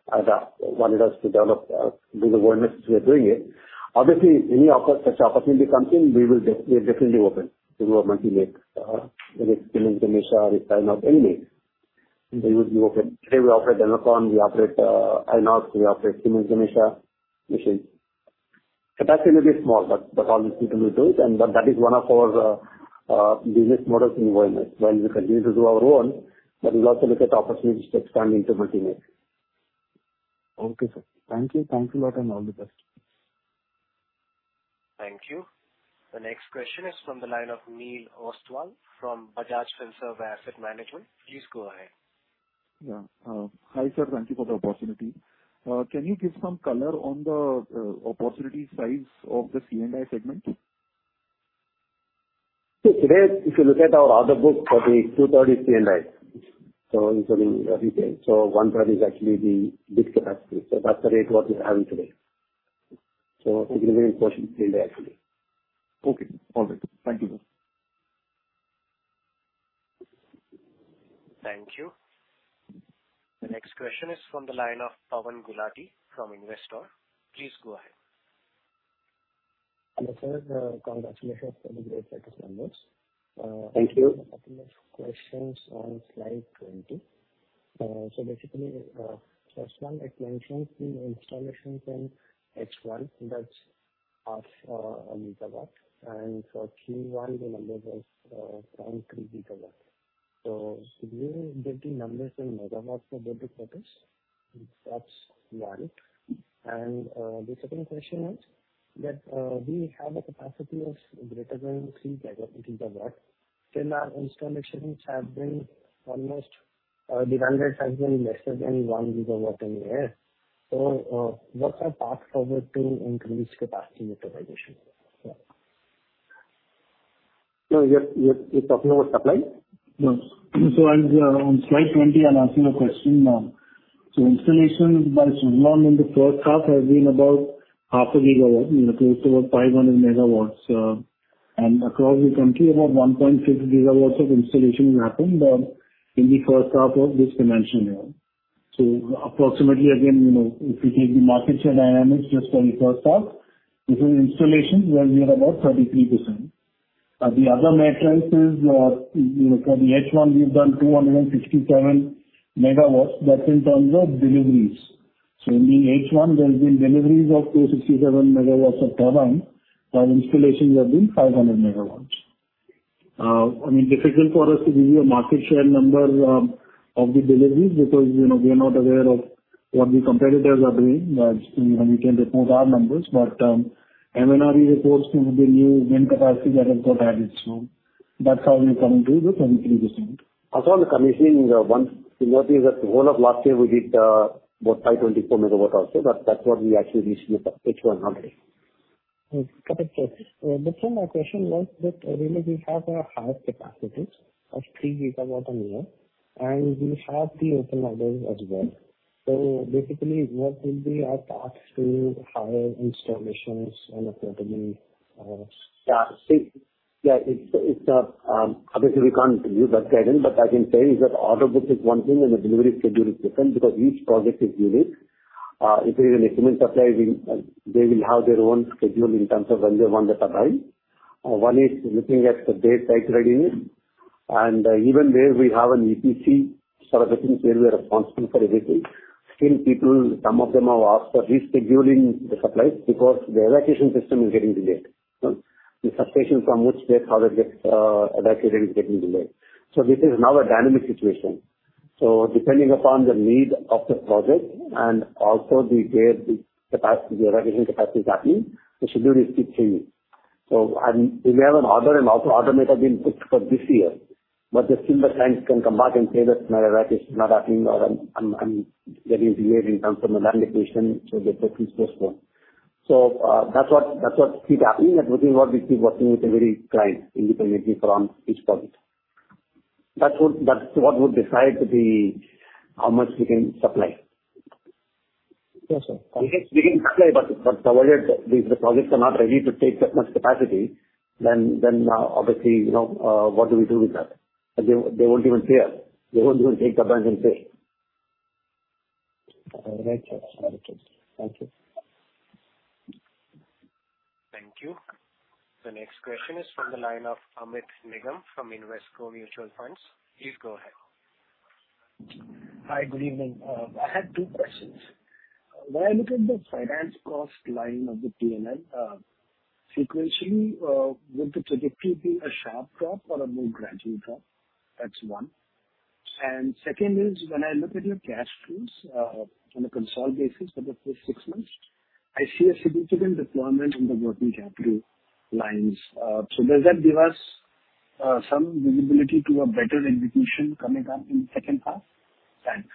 wanted us to develop, do the wind, which we are doing it. Obviously, any offer, such opportunity comes in, we are definitely open to a multi-make, whether it's Siemens Gamesa or any make, we would be open. Today, we operate Enercon, we operate Inox Wind, we operate Siemens Gamesa, which is... Capacity may be small, but all these people we do it, and that is one of our business models in wind. While we continue to do our own, but we'll also look at opportunities to expand into multi-make. Okay, sir. Thank you. Thank you a lot, and all the best. Thank you. The next question is from the line of Neil Ostwal from Bajaj Finserv Asset Management. Please go ahead. Yeah. Hi, sir, thank you for the opportunity. Can you give some color on the opportunity size of the C&I segment? So today, if you look at our order book for the 2/3 is C&I. So it's only every day. So 1/3 is actually the Discom capacity. So that's the rate what we're having today. So it is a very important C&I, actually. Okay, all right. Thank you, sir. Thank you. The next question is from the line of Pawan Gulati from Investor. Please go ahead. Hello, sir. Congratulations on the great financial numbers.... thank you. Questions on slide 20. So basically, first one, I mentioned the installations in H1, that's 0.5 GW, and for Q1 the number was 0.3 GW. So did we get the numbers in MW for both the quarters? That's one. And the second question is that we have a capacity of greater than 3 GW. Still our installations have been almost the numbers have been lesser than 1 GW in a year. So what are path forward to increase capacity utilization? So you're talking about supply? Yes. So on slide 20, I'm asking a question now. So installation by Suzlon in the first half has been about half a GW, you know, close to about 500 MW. And across the country, about 1.6 GW of installation happened in the first half of this financial year. So approximately, again, you know, if you take the market share dynamics just for the first half, this is installation, we are near about 33%. The other metrics is, you know, for the H1, we've done 267 MW. That's in terms of deliveries. So in the H1, there's been deliveries of 267 MW of turbine, and installations have been 500 MW. I mean, difficult for us to give you a market share number of the deliveries, because, you know, we are not aware of what the competitors are doing. But, you know, we can report our numbers, but MNRE report to the new wind capacity that has got added. So that's how we come to the 23%. Also on the commissioning, one, what is at the whole of last year, we did about 524 MW also, but that's what we actually reached with the H1 number. Okay. That's why my question was that really we have a higher capacities of 3 GW a year, and we have the open orders as well. So basically, what will be our path to higher installations and accordingly, Yeah. See, yeah, it's obviously we can't give that guidance, but I can say is that order book is one thing and the delivery schedule is different because each project is unique. If there is an equipment supply, they will have their own schedule in terms of when they want the turbine. One is looking at the site readiness, and even there we have an EPC sort of thing where we are responsible for everything. Still, people, some of them have asked for rescheduling the supplies because the evacuation system is getting delayed. So the substation from which they power gets evacuated is getting delayed. So this is now a dynamic situation. So depending upon the need of the project and also where the capacity, the evacuation capacity is happening, the schedule is fixing. We may have an order and also order may have been put for this year, but the supplier clients can come back and say that my evacuation is not happening or I'm, I'm getting delayed in terms of my land acquisition, so the piece goes on. That's what keep happening and within what we keep working with every client independently from each project. That would-- That's what would decide the, how much we can supply. Yes, sir. We can supply, but provided the projects are not ready to take that much capacity, then obviously, you know, what do we do with that? They won't even care. They won't even take the turbine and say. All right, sir. Thank you. Thank you. The next question is from the line of Amit Nigam from Invesco Mutual Fund. Please go ahead. Hi, good evening. I had two questions. When I look at the finance cost line of the P&L, sequentially, would the trajectory be a sharp drop or a more gradual drop? That's one. And second is, when I look at your cash flows, on a consolidated basis for the first 6 months, I see a significant deployment in the working capital lines. So does that give us, some visibility to a better invitation coming up in the second half? Thanks.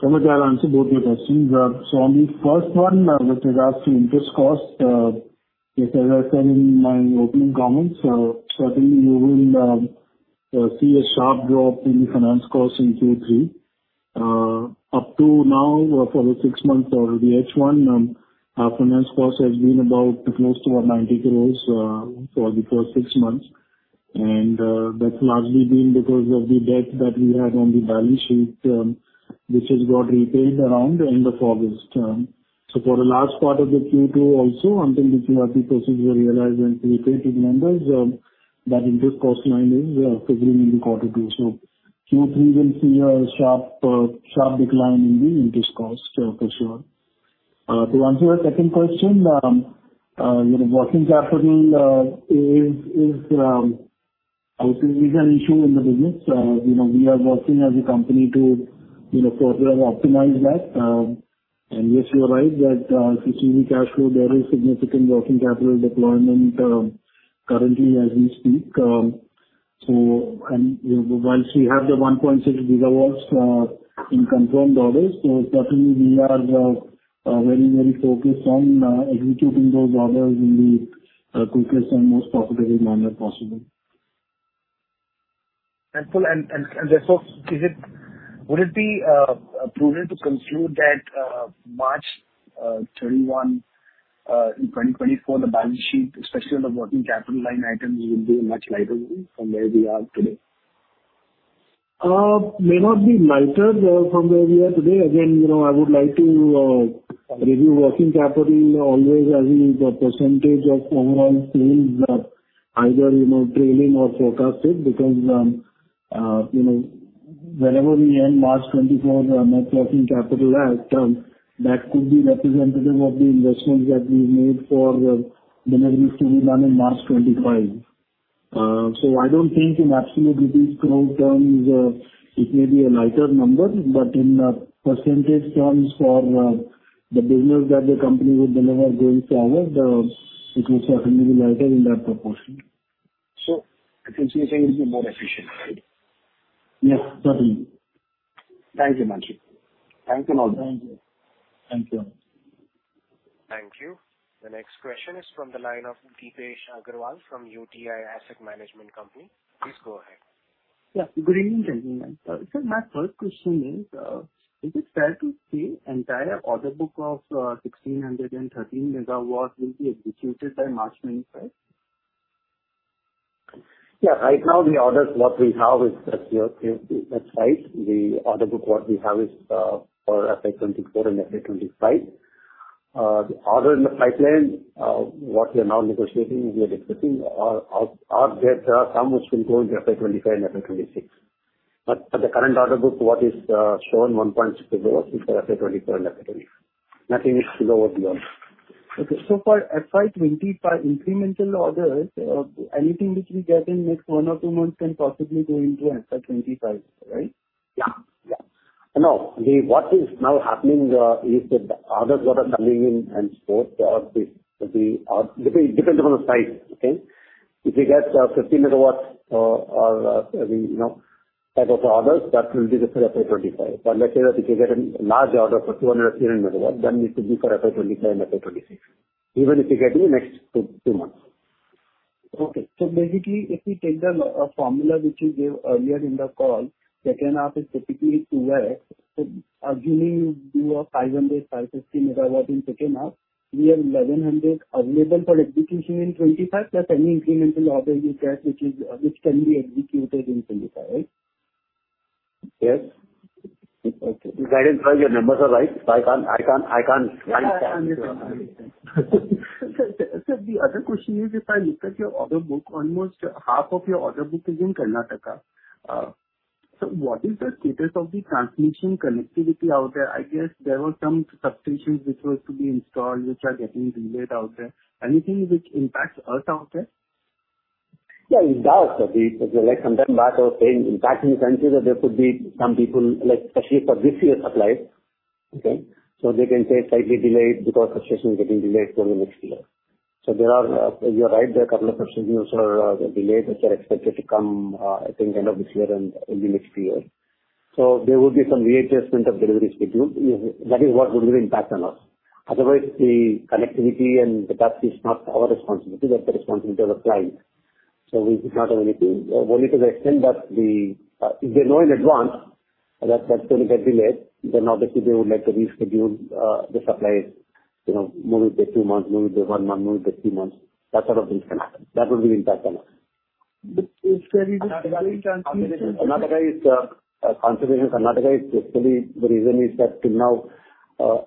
So I'm gonna answer both your questions. So on the first one, with regards to interest costs, as I said in my opening comments, certainly you will see a sharp drop in the finance costs in Q3. Up to now, for the six months or the H1, our finance cost has been about close to 90 crore, for the first six months. That's largely been because of the debt that we had on the balance sheet, which has got repaid around the end of August. So for the last part of the Q2 also, until the CIRP procedure realized and we paid the members, that interest cost line is figuring in the quarter two. Q3 will see a sharp sharp decline in the interest cost, for sure. To answer your second question, you know, working capital is obviously an issue in the business. You know, we are working as a company to, you know, further optimize that. And yes, you're right, that if you see the cash flow, there is significant working capital deployment currently as we speak. So and, you know, once we have the 1.6 GW in confirmed orders, so certainly we are very, very focused on executing those orders in the quickest and most profitable manner possible. Thank you. Therefore, would it be prudent to conclude that 31 March 2024, the balance sheet, especially on the working capital line items, will be much lighter than from where we are today?... May not be lighter from where we are today. Again, you know, I would like to review working capital always as a percentage of overall sales, not either, you know, trailing or forecasted. Because, you know, whenever we end March 2024, the net working capital has come, that could be representative of the investments that we've made for deliveries to be done in March 2025. So I don't think in absolute INR growth terms, it may be a lighter number, but in percentage terms for the business that the company would deliver going forward, it will certainly be lighter in that proportion. I can see you saying it'll be more efficient, right? Yes, certainly. Thank you, Manjit. Thanks and all. Thank you. Thank you. Thank you. The next question is from the line of Deepesh Agarwal from UTI Asset Management Company. Please go ahead. Yeah. Good evening, gentlemen. So my third question is, is it fair to say entire order book of 1,613 MW will be executed by March 2025? Yeah. Right now, the orders what we have is that's your, that's right. The order book, what we have is, for FY 2024 and FY 2025. The order in the pipeline, what we are now negotiating, we are expecting or, or that some which will go into FY 2025 and FY 2026. But for the current order book, what is shown 1.6 MW is for FY 2024 and FY 20... Nothing is below the line. Okay. So for FY25 incremental orders, anything which we get in next one or two months can possibly go into FY25, right? Yeah. Yeah. Now, what is now happening is that the orders that are coming in and so, it depends upon the size, okay? If you get 15 MW, or, I mean, you know, type of orders, that will be the FY 2025. But let's say that if you get a large order for 200-300 MW, then it should be for FY 2025 and FY 2026, even if you get in the next two months. Okay. So basically, if we take the formula which you gave earlier in the call, second half is typically 2x. So assuming you do 500-550 MW in second half, we have 1,100 available for execution in 2025, plus any incremental orders you get, which can be executed in 2025, right? Yes. Okay. I didn't try your numbers are right. I can't, I can't, I can't... Sir, sir, the other question is, if I look at your order book, almost half of your order book is in Karnataka. So what is the status of the transmission connectivity out there? I guess there were some substations which was to be installed, which are getting delayed out there. Anything which impacts us out there? Yeah, it does. So, like, from that part of saying impact in the sense that there could be some people, like especially for this year supply, okay? So they can say slightly delayed because substation is getting delayed till the next year. So there are—you're right, there are couple of substations which are delayed, which are expected to come, I think end of this year and in the next year. So there will be some readjustment of delivery schedule. That is what would impact on us. Otherwise, the connectivity and the capacity is not our responsibility, that's the responsibility of the client. So we do not have anything. Only to the extent that if they know in advance that that's going to get delayed, then obviously they would like to reschedule the supplies, you know, move it by two months, move it by one month, move it by three months. That sort of thing can happen. That will be impact on us. It's very good- Another consideration is basically the reason is that till now,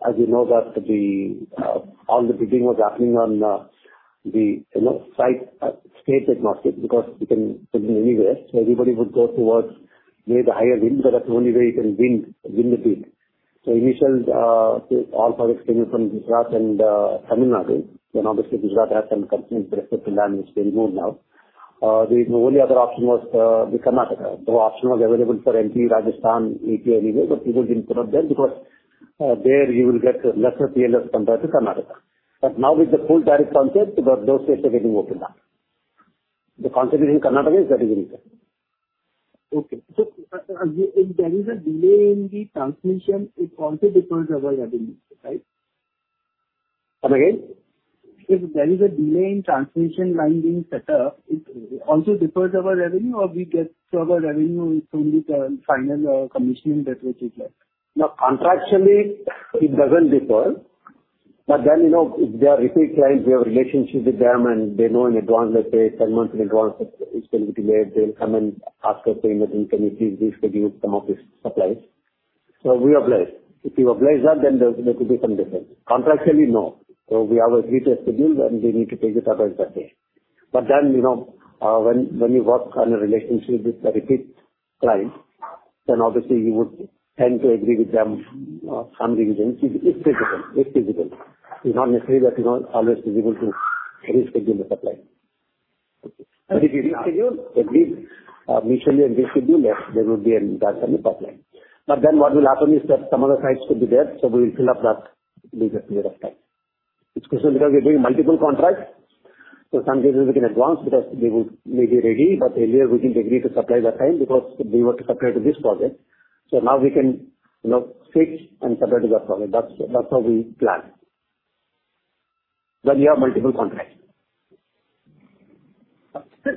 as you know, all the bidding was happening on the you know site state-wide market because you can put it anywhere. So everybody would go towards where the higher wind, so that's the only way you can win the bid. So initially all projects came from Gujarat and Tamil Nadu, then obviously Gujarat has some constraints with respect to land, which they removed now. The only other option was the Karnataka. So option was available for MP, Rajasthan, AP, anywhere, but people didn't put up there because there you will get lesser PLF compared to Karnataka. But now with the full tariff concept, those states are getting opened up. The consideration in Karnataka is very, very fair. Okay. So, if there is a delay in the transmission, it also defers our revenue, right? Come again. If there is a delay in transmission line being set up, it also defers our revenue or we get to our revenue is only the final, commissioning that which is left? No, contractually it doesn't defer, but then, you know, if they are repeat clients, we have a relationship with them, and they know in advance, let's say seven months in advance, it's going to be delayed, they'll come and ask us, saying that, "Can you please reschedule some of the supplies?" So we oblige. If you oblige that, then there could be some difference. Contractually, no. So we have agreed a schedule, and they need to take it up as that day. But then, you know, when you work on a relationship with a repeat client, then obviously you would tend to agree with them for some reasons. It's feasible. It's feasible. It's not necessary that you're not always feasible to reschedule the supply. Okay. If you reschedule, agree, initially and reschedule, yes, there will be an impact on the pipeline. But then what will happen is that some other sites could be there, so we will fill up that with a period of time. It's because we are doing multiple contracts, so some cases we can advance because they would may be ready, but earlier we didn't agree to supply that time because they were to supply to this project. So now we can, you know, fix and supply to that project. That's, that's how we plan. When we have multiple contracts.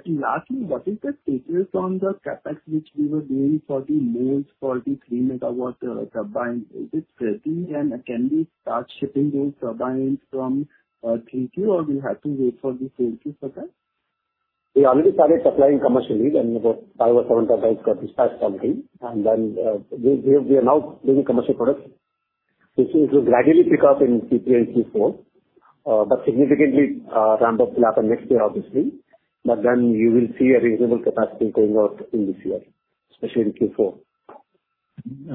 Lastly, what is the status on the CapEx, which we were doing for the molds, for the 3 MW turbine? Is it ready, and can we start shipping those turbines from Q2, or we have to wait for the Q2 for that? We already started supplying commercially, and about five or seven turbines got dispatched already. Then, we are now doing commercial products. This will gradually pick up in Q3 and Q4, but significantly, ramp up will happen next year, obviously. But then you will see a reasonable capacity going out in this year, especially in Q4.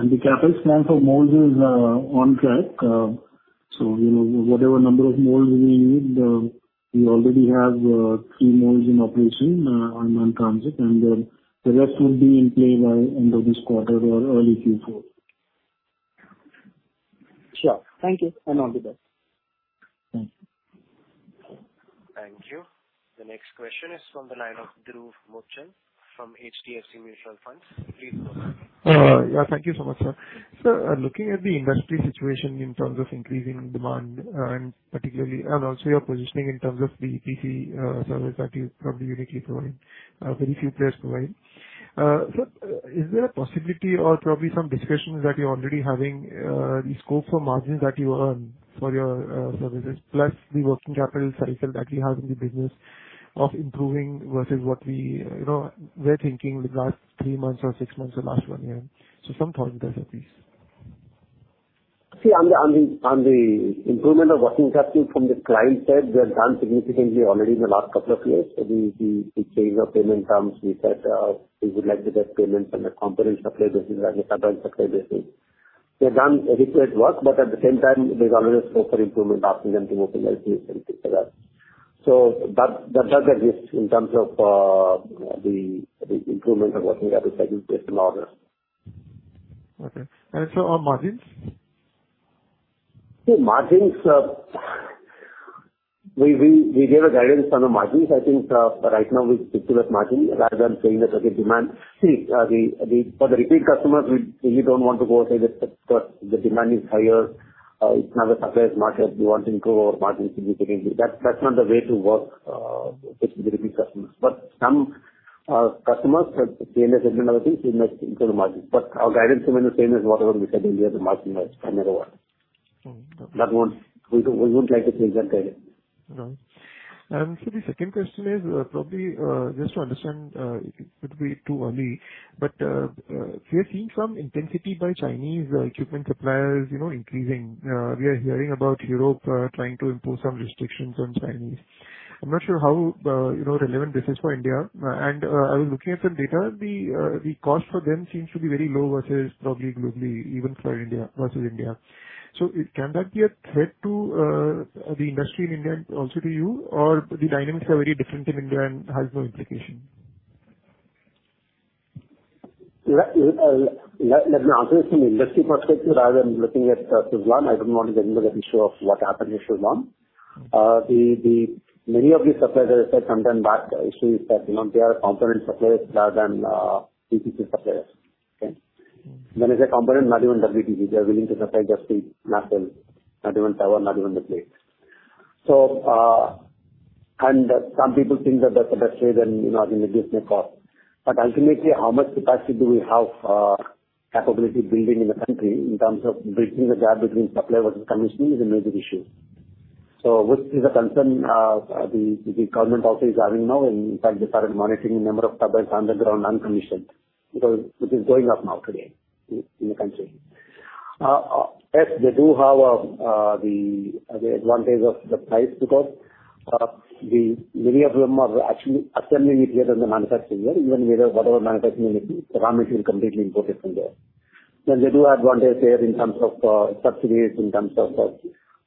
The capital plan for molds is on track. So, you know, whatever number of molds we need, we already have 3 molds in operation, on transit, and then the rest will be in play by end of this quarter or early Q4. Sure. Thank you, and all the best. Thank you. Thank you. The next question is from the line of Dhruv Muchhal from HDFC Mutual Fund. Please go ahead. Yeah, thank you so much, sir. Sir, looking at the industry situation in terms of increasing demand, and particularly, and also your positioning in terms of the EPC service that you probably uniquely provide, very few players provide. So is there a possibility or probably some discussions that you're already having, the scope for margins that you earn for your services, plus the working capital cycle that you have in the business of improving versus what we, you know, we're thinking the last three months or six months or last one year? So some point there at least. See, on the improvement of working capital from the client side, we have done significantly already in the last couple of years. So the change of payment terms, we said, we would like to get payments on a component supply basis and a turbine supply basis. We have done adequate work, but at the same time, there's always a scope for improvement, asking them to move to like this and things like that. So that does exist in terms of the improvement of working capital takes longer. Okay. And so on margins? The margins, we gave a guidance on the margins. I think, right now we stick to those margins rather than saying that as a demand. See, for the repeat customers, we don't want to go and say that the demand is higher, it's not a supplier's market, we want to improve our margins significantly. That's not the way to work with the repeat customers. But some customers have seen a segment of the things we might include the margins, but our guidance remains the same as whatever we said earlier, the margin is another one. Mm-hmm. That won't. We wouldn't like to change that guidance. Right. So the second question is, probably, just to understand, it could be too early, but we are seeing some intensity by Chinese equipment suppliers, you know, increasing. We are hearing about Europe trying to impose some restrictions on Chinese. I'm not sure how, you know, relevant this is for India. And I was looking at some data. The cost for them seems to be very low versus probably globally, even for India, versus India. So can that be a threat to the industry in India and also to you? Or the dynamics are very different in India and has no implication? Let me answer it from industry perspective rather than looking at Suzlon. I don't want to get into the issue of what happened in Suzlon. Many of these suppliers, I said, come back. Issue is that, you know, they are component suppliers rather than EPC suppliers. Okay? When I say component, not even WTG, they are willing to supply just the nacelle, not even tower, not even the BOP. So, and some people think that that's a best trade and, you know, in the business cost, but ultimately, how much capacity do we have, capability building in the country in terms of bridging the gap between supply versus commissioning is a major issue. So which is a concern, the government also is having now, and in fact, they started monitoring the number of turbines on the ground, uncommissioned, because which is going up now today in the country. Yes, they do have the advantage of the price, because many of them are actually assembling it here in the manufacturing level. Even whether whatever manufacturing the raw material completely imported from there. Then they do advantage there in terms of subsidies, in terms of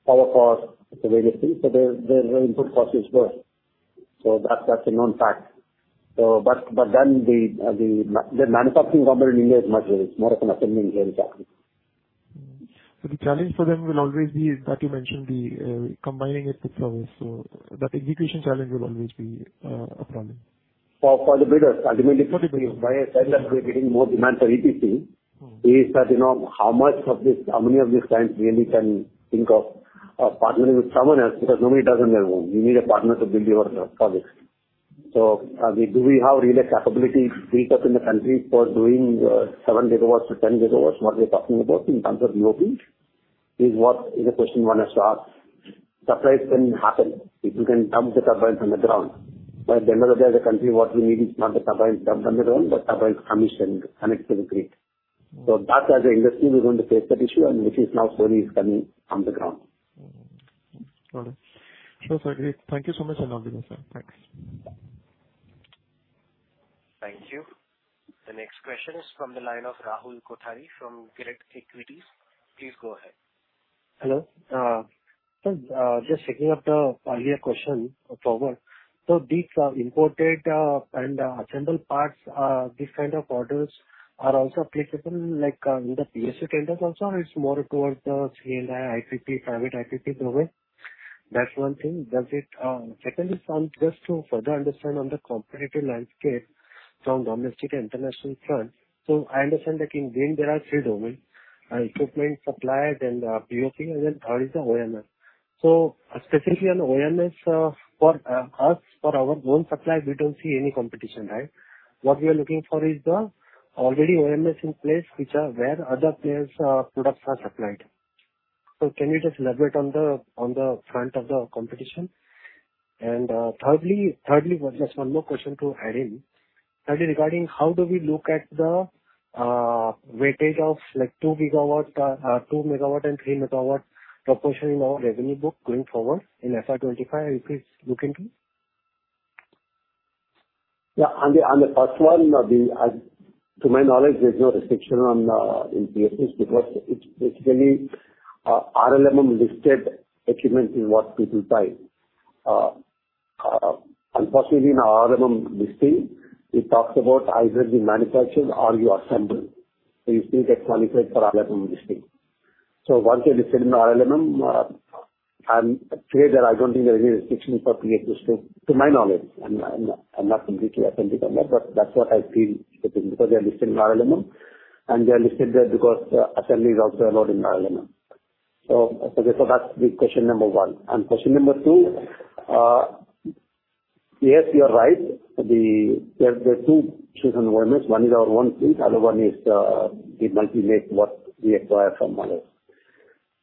power costs, the various things. So their input cost is low. So that's a known fact. But then the manufacturing component in India is much very more of an assembling really happening. The challenge for them will always be that you mentioned the combining it with towers. That execution challenge will always be a problem. For the builders, ultimately, possibly why I said that we're getting more demand for EPC- Mm-hmm. Is that, you know, how much of this, how many of these clients really can think of partnering with someone else? Because nobody does it alone. You need a partner to build your products. So, do we have really capability built up in the country for doing 7-10 GW, what we're talking about in terms of BOP? Is what is the question one has to ask. Surprise can happen if you can dump the turbines on the ground. But then as a country, what we need is not the turbines dumped on the ground, but turbines commissioned, connected to the grid. Mm-hmm. So that as an industry, we're going to face that issue, and which is now slowly is coming on the ground. Mm-hmm. Got it. So agreed. Thank you so much, and all the best, sir. Thanks. Thank you. The next question is from the line of Rahul Kothari from Equities. Please go ahead. Hello. So, just picking up the earlier question forward. So these imported and assembled parts, these kind of orders are also applicable, like, in the PSU tenders also, or it's more towards the C&I, IPP, private IPP domain? That's one thing. Does it... Secondly, just to further understand on the competitive landscape from domestic and international front, so I understand that in wind there are three domains, equipment, supplied, and BOP, and then third is the O&M. So specifically on O&M, for us, for our own supply, we don't see any competition, right? What we are looking for is the already O&M in place, which are where other players products are supplied. So can you just elaborate on the front of the competition?... And, thirdly, thirdly, just one more question to add in. Thirdly, regarding how do we look at the, weightage of like 2 GW, 2 MW and 3 MW proportion in our revenue book going forward in FY 2025, if you please look into? Yeah, on the first one, to my knowledge, there's no restriction on in PS because it's basically RLMM listed equipment in what people buy. Unfortunately, in RLMM listing, it talks about either the manufacturer or you assemble, so you still get qualified for RLMM listing. So once you're listed in the RLMM, I'm clear that I don't think there is any restriction for PS to my knowledge. I'm not completely authentic on that, but that's what I feel because they're listed in RLMM, and they're listed there because assembly is also allowed in RLMM. So that's the question number one. And question number two, yes, you're right. There are two chosen ones. One is our own fleet, other one is the multi-make what we acquire from others.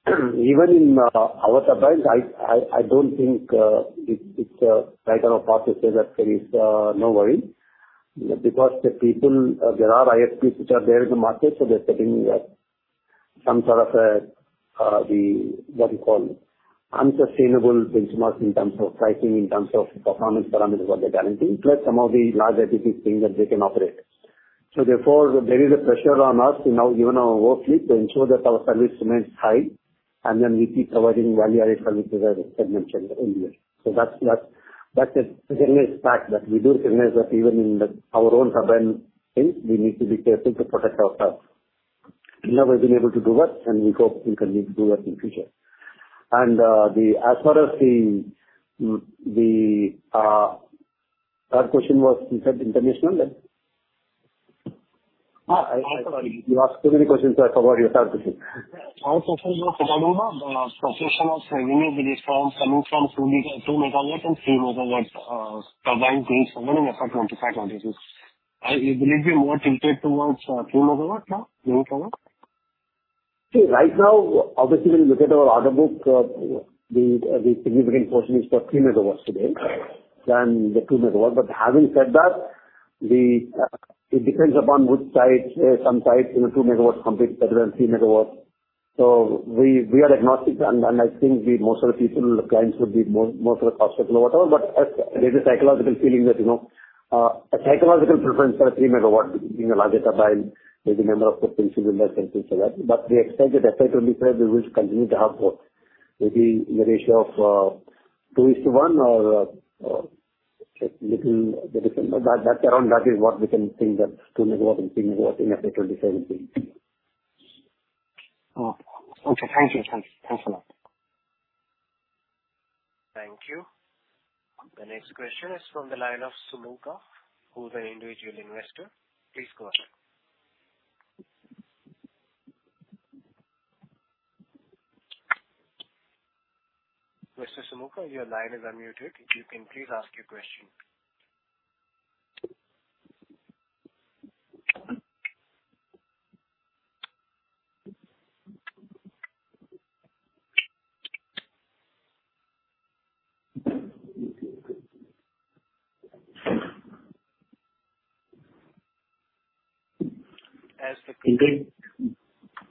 Even in our turbines, I don't think it's a type of process that there is no worry because the people there are IPPs which are there in the market, so they're setting some sort of a the... what you call, unsustainable benchmarks in terms of pricing, in terms of performance parameters what they're guaranteeing, plus some of the large IPPs saying that they can operate. So therefore, there is a pressure on us in our even our wind fleet, to ensure that our service remains high, and then we keep providing value-added service as I mentioned earlier. So that's a recognized fact that we do recognize that even in our own turbine thing, we need to be careful to protect ourselves. We've never been able to do that, and we hope we can need to do that in future. And, as far as the third question was, you said, international? Ah, I'm sorry. You asked so many questions, I forgot your third question. Our question was about the proportion of revenue business from coming from 2 MW and 3 MW turbine base from 25 onwards. It will be more tilted towards 3 MW now going forward? See, right now, obviously, when you look at our order book, the significant portion is for 3 MW today than the 2 MW. But having said that, it depends upon which sites. Some sites, you know, 2 MW competes better than 3 MW. So we are agnostic, and I think the most of the people, the clients would be more for the cost or whatever. But as there's a psychological feeling that, you know, a psychological preference for a 3 MW, being a larger turbine, is a matter of principles and things like that. But we expect that effect will be said, we will continue to have both, maybe in the ratio of 2:1 or little different. But that, around that is what we can think that 2 MW and 3 MW in FY 2027. Oh, okay. Thank you. Thank you. Thanks a lot. Thank you. The next question is from the line of Sumukh, who's an individual investor. Please go ahead. Mr. Sumukh, your line is unmuted. You can please ask your question.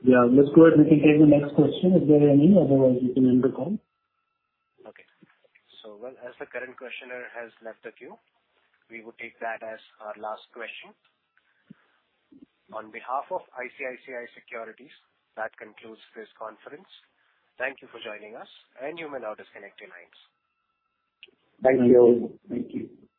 Yeah, let's go ahead. We can take the next question. Is there any? Otherwise, we can end the call. Okay. So well, as the current questioner has left the queue, we will take that as our last question. On behalf of ICICI Securities, that concludes this conference. Thank you for joining us, and you may now disconnect your lines. Thank you. Thank you.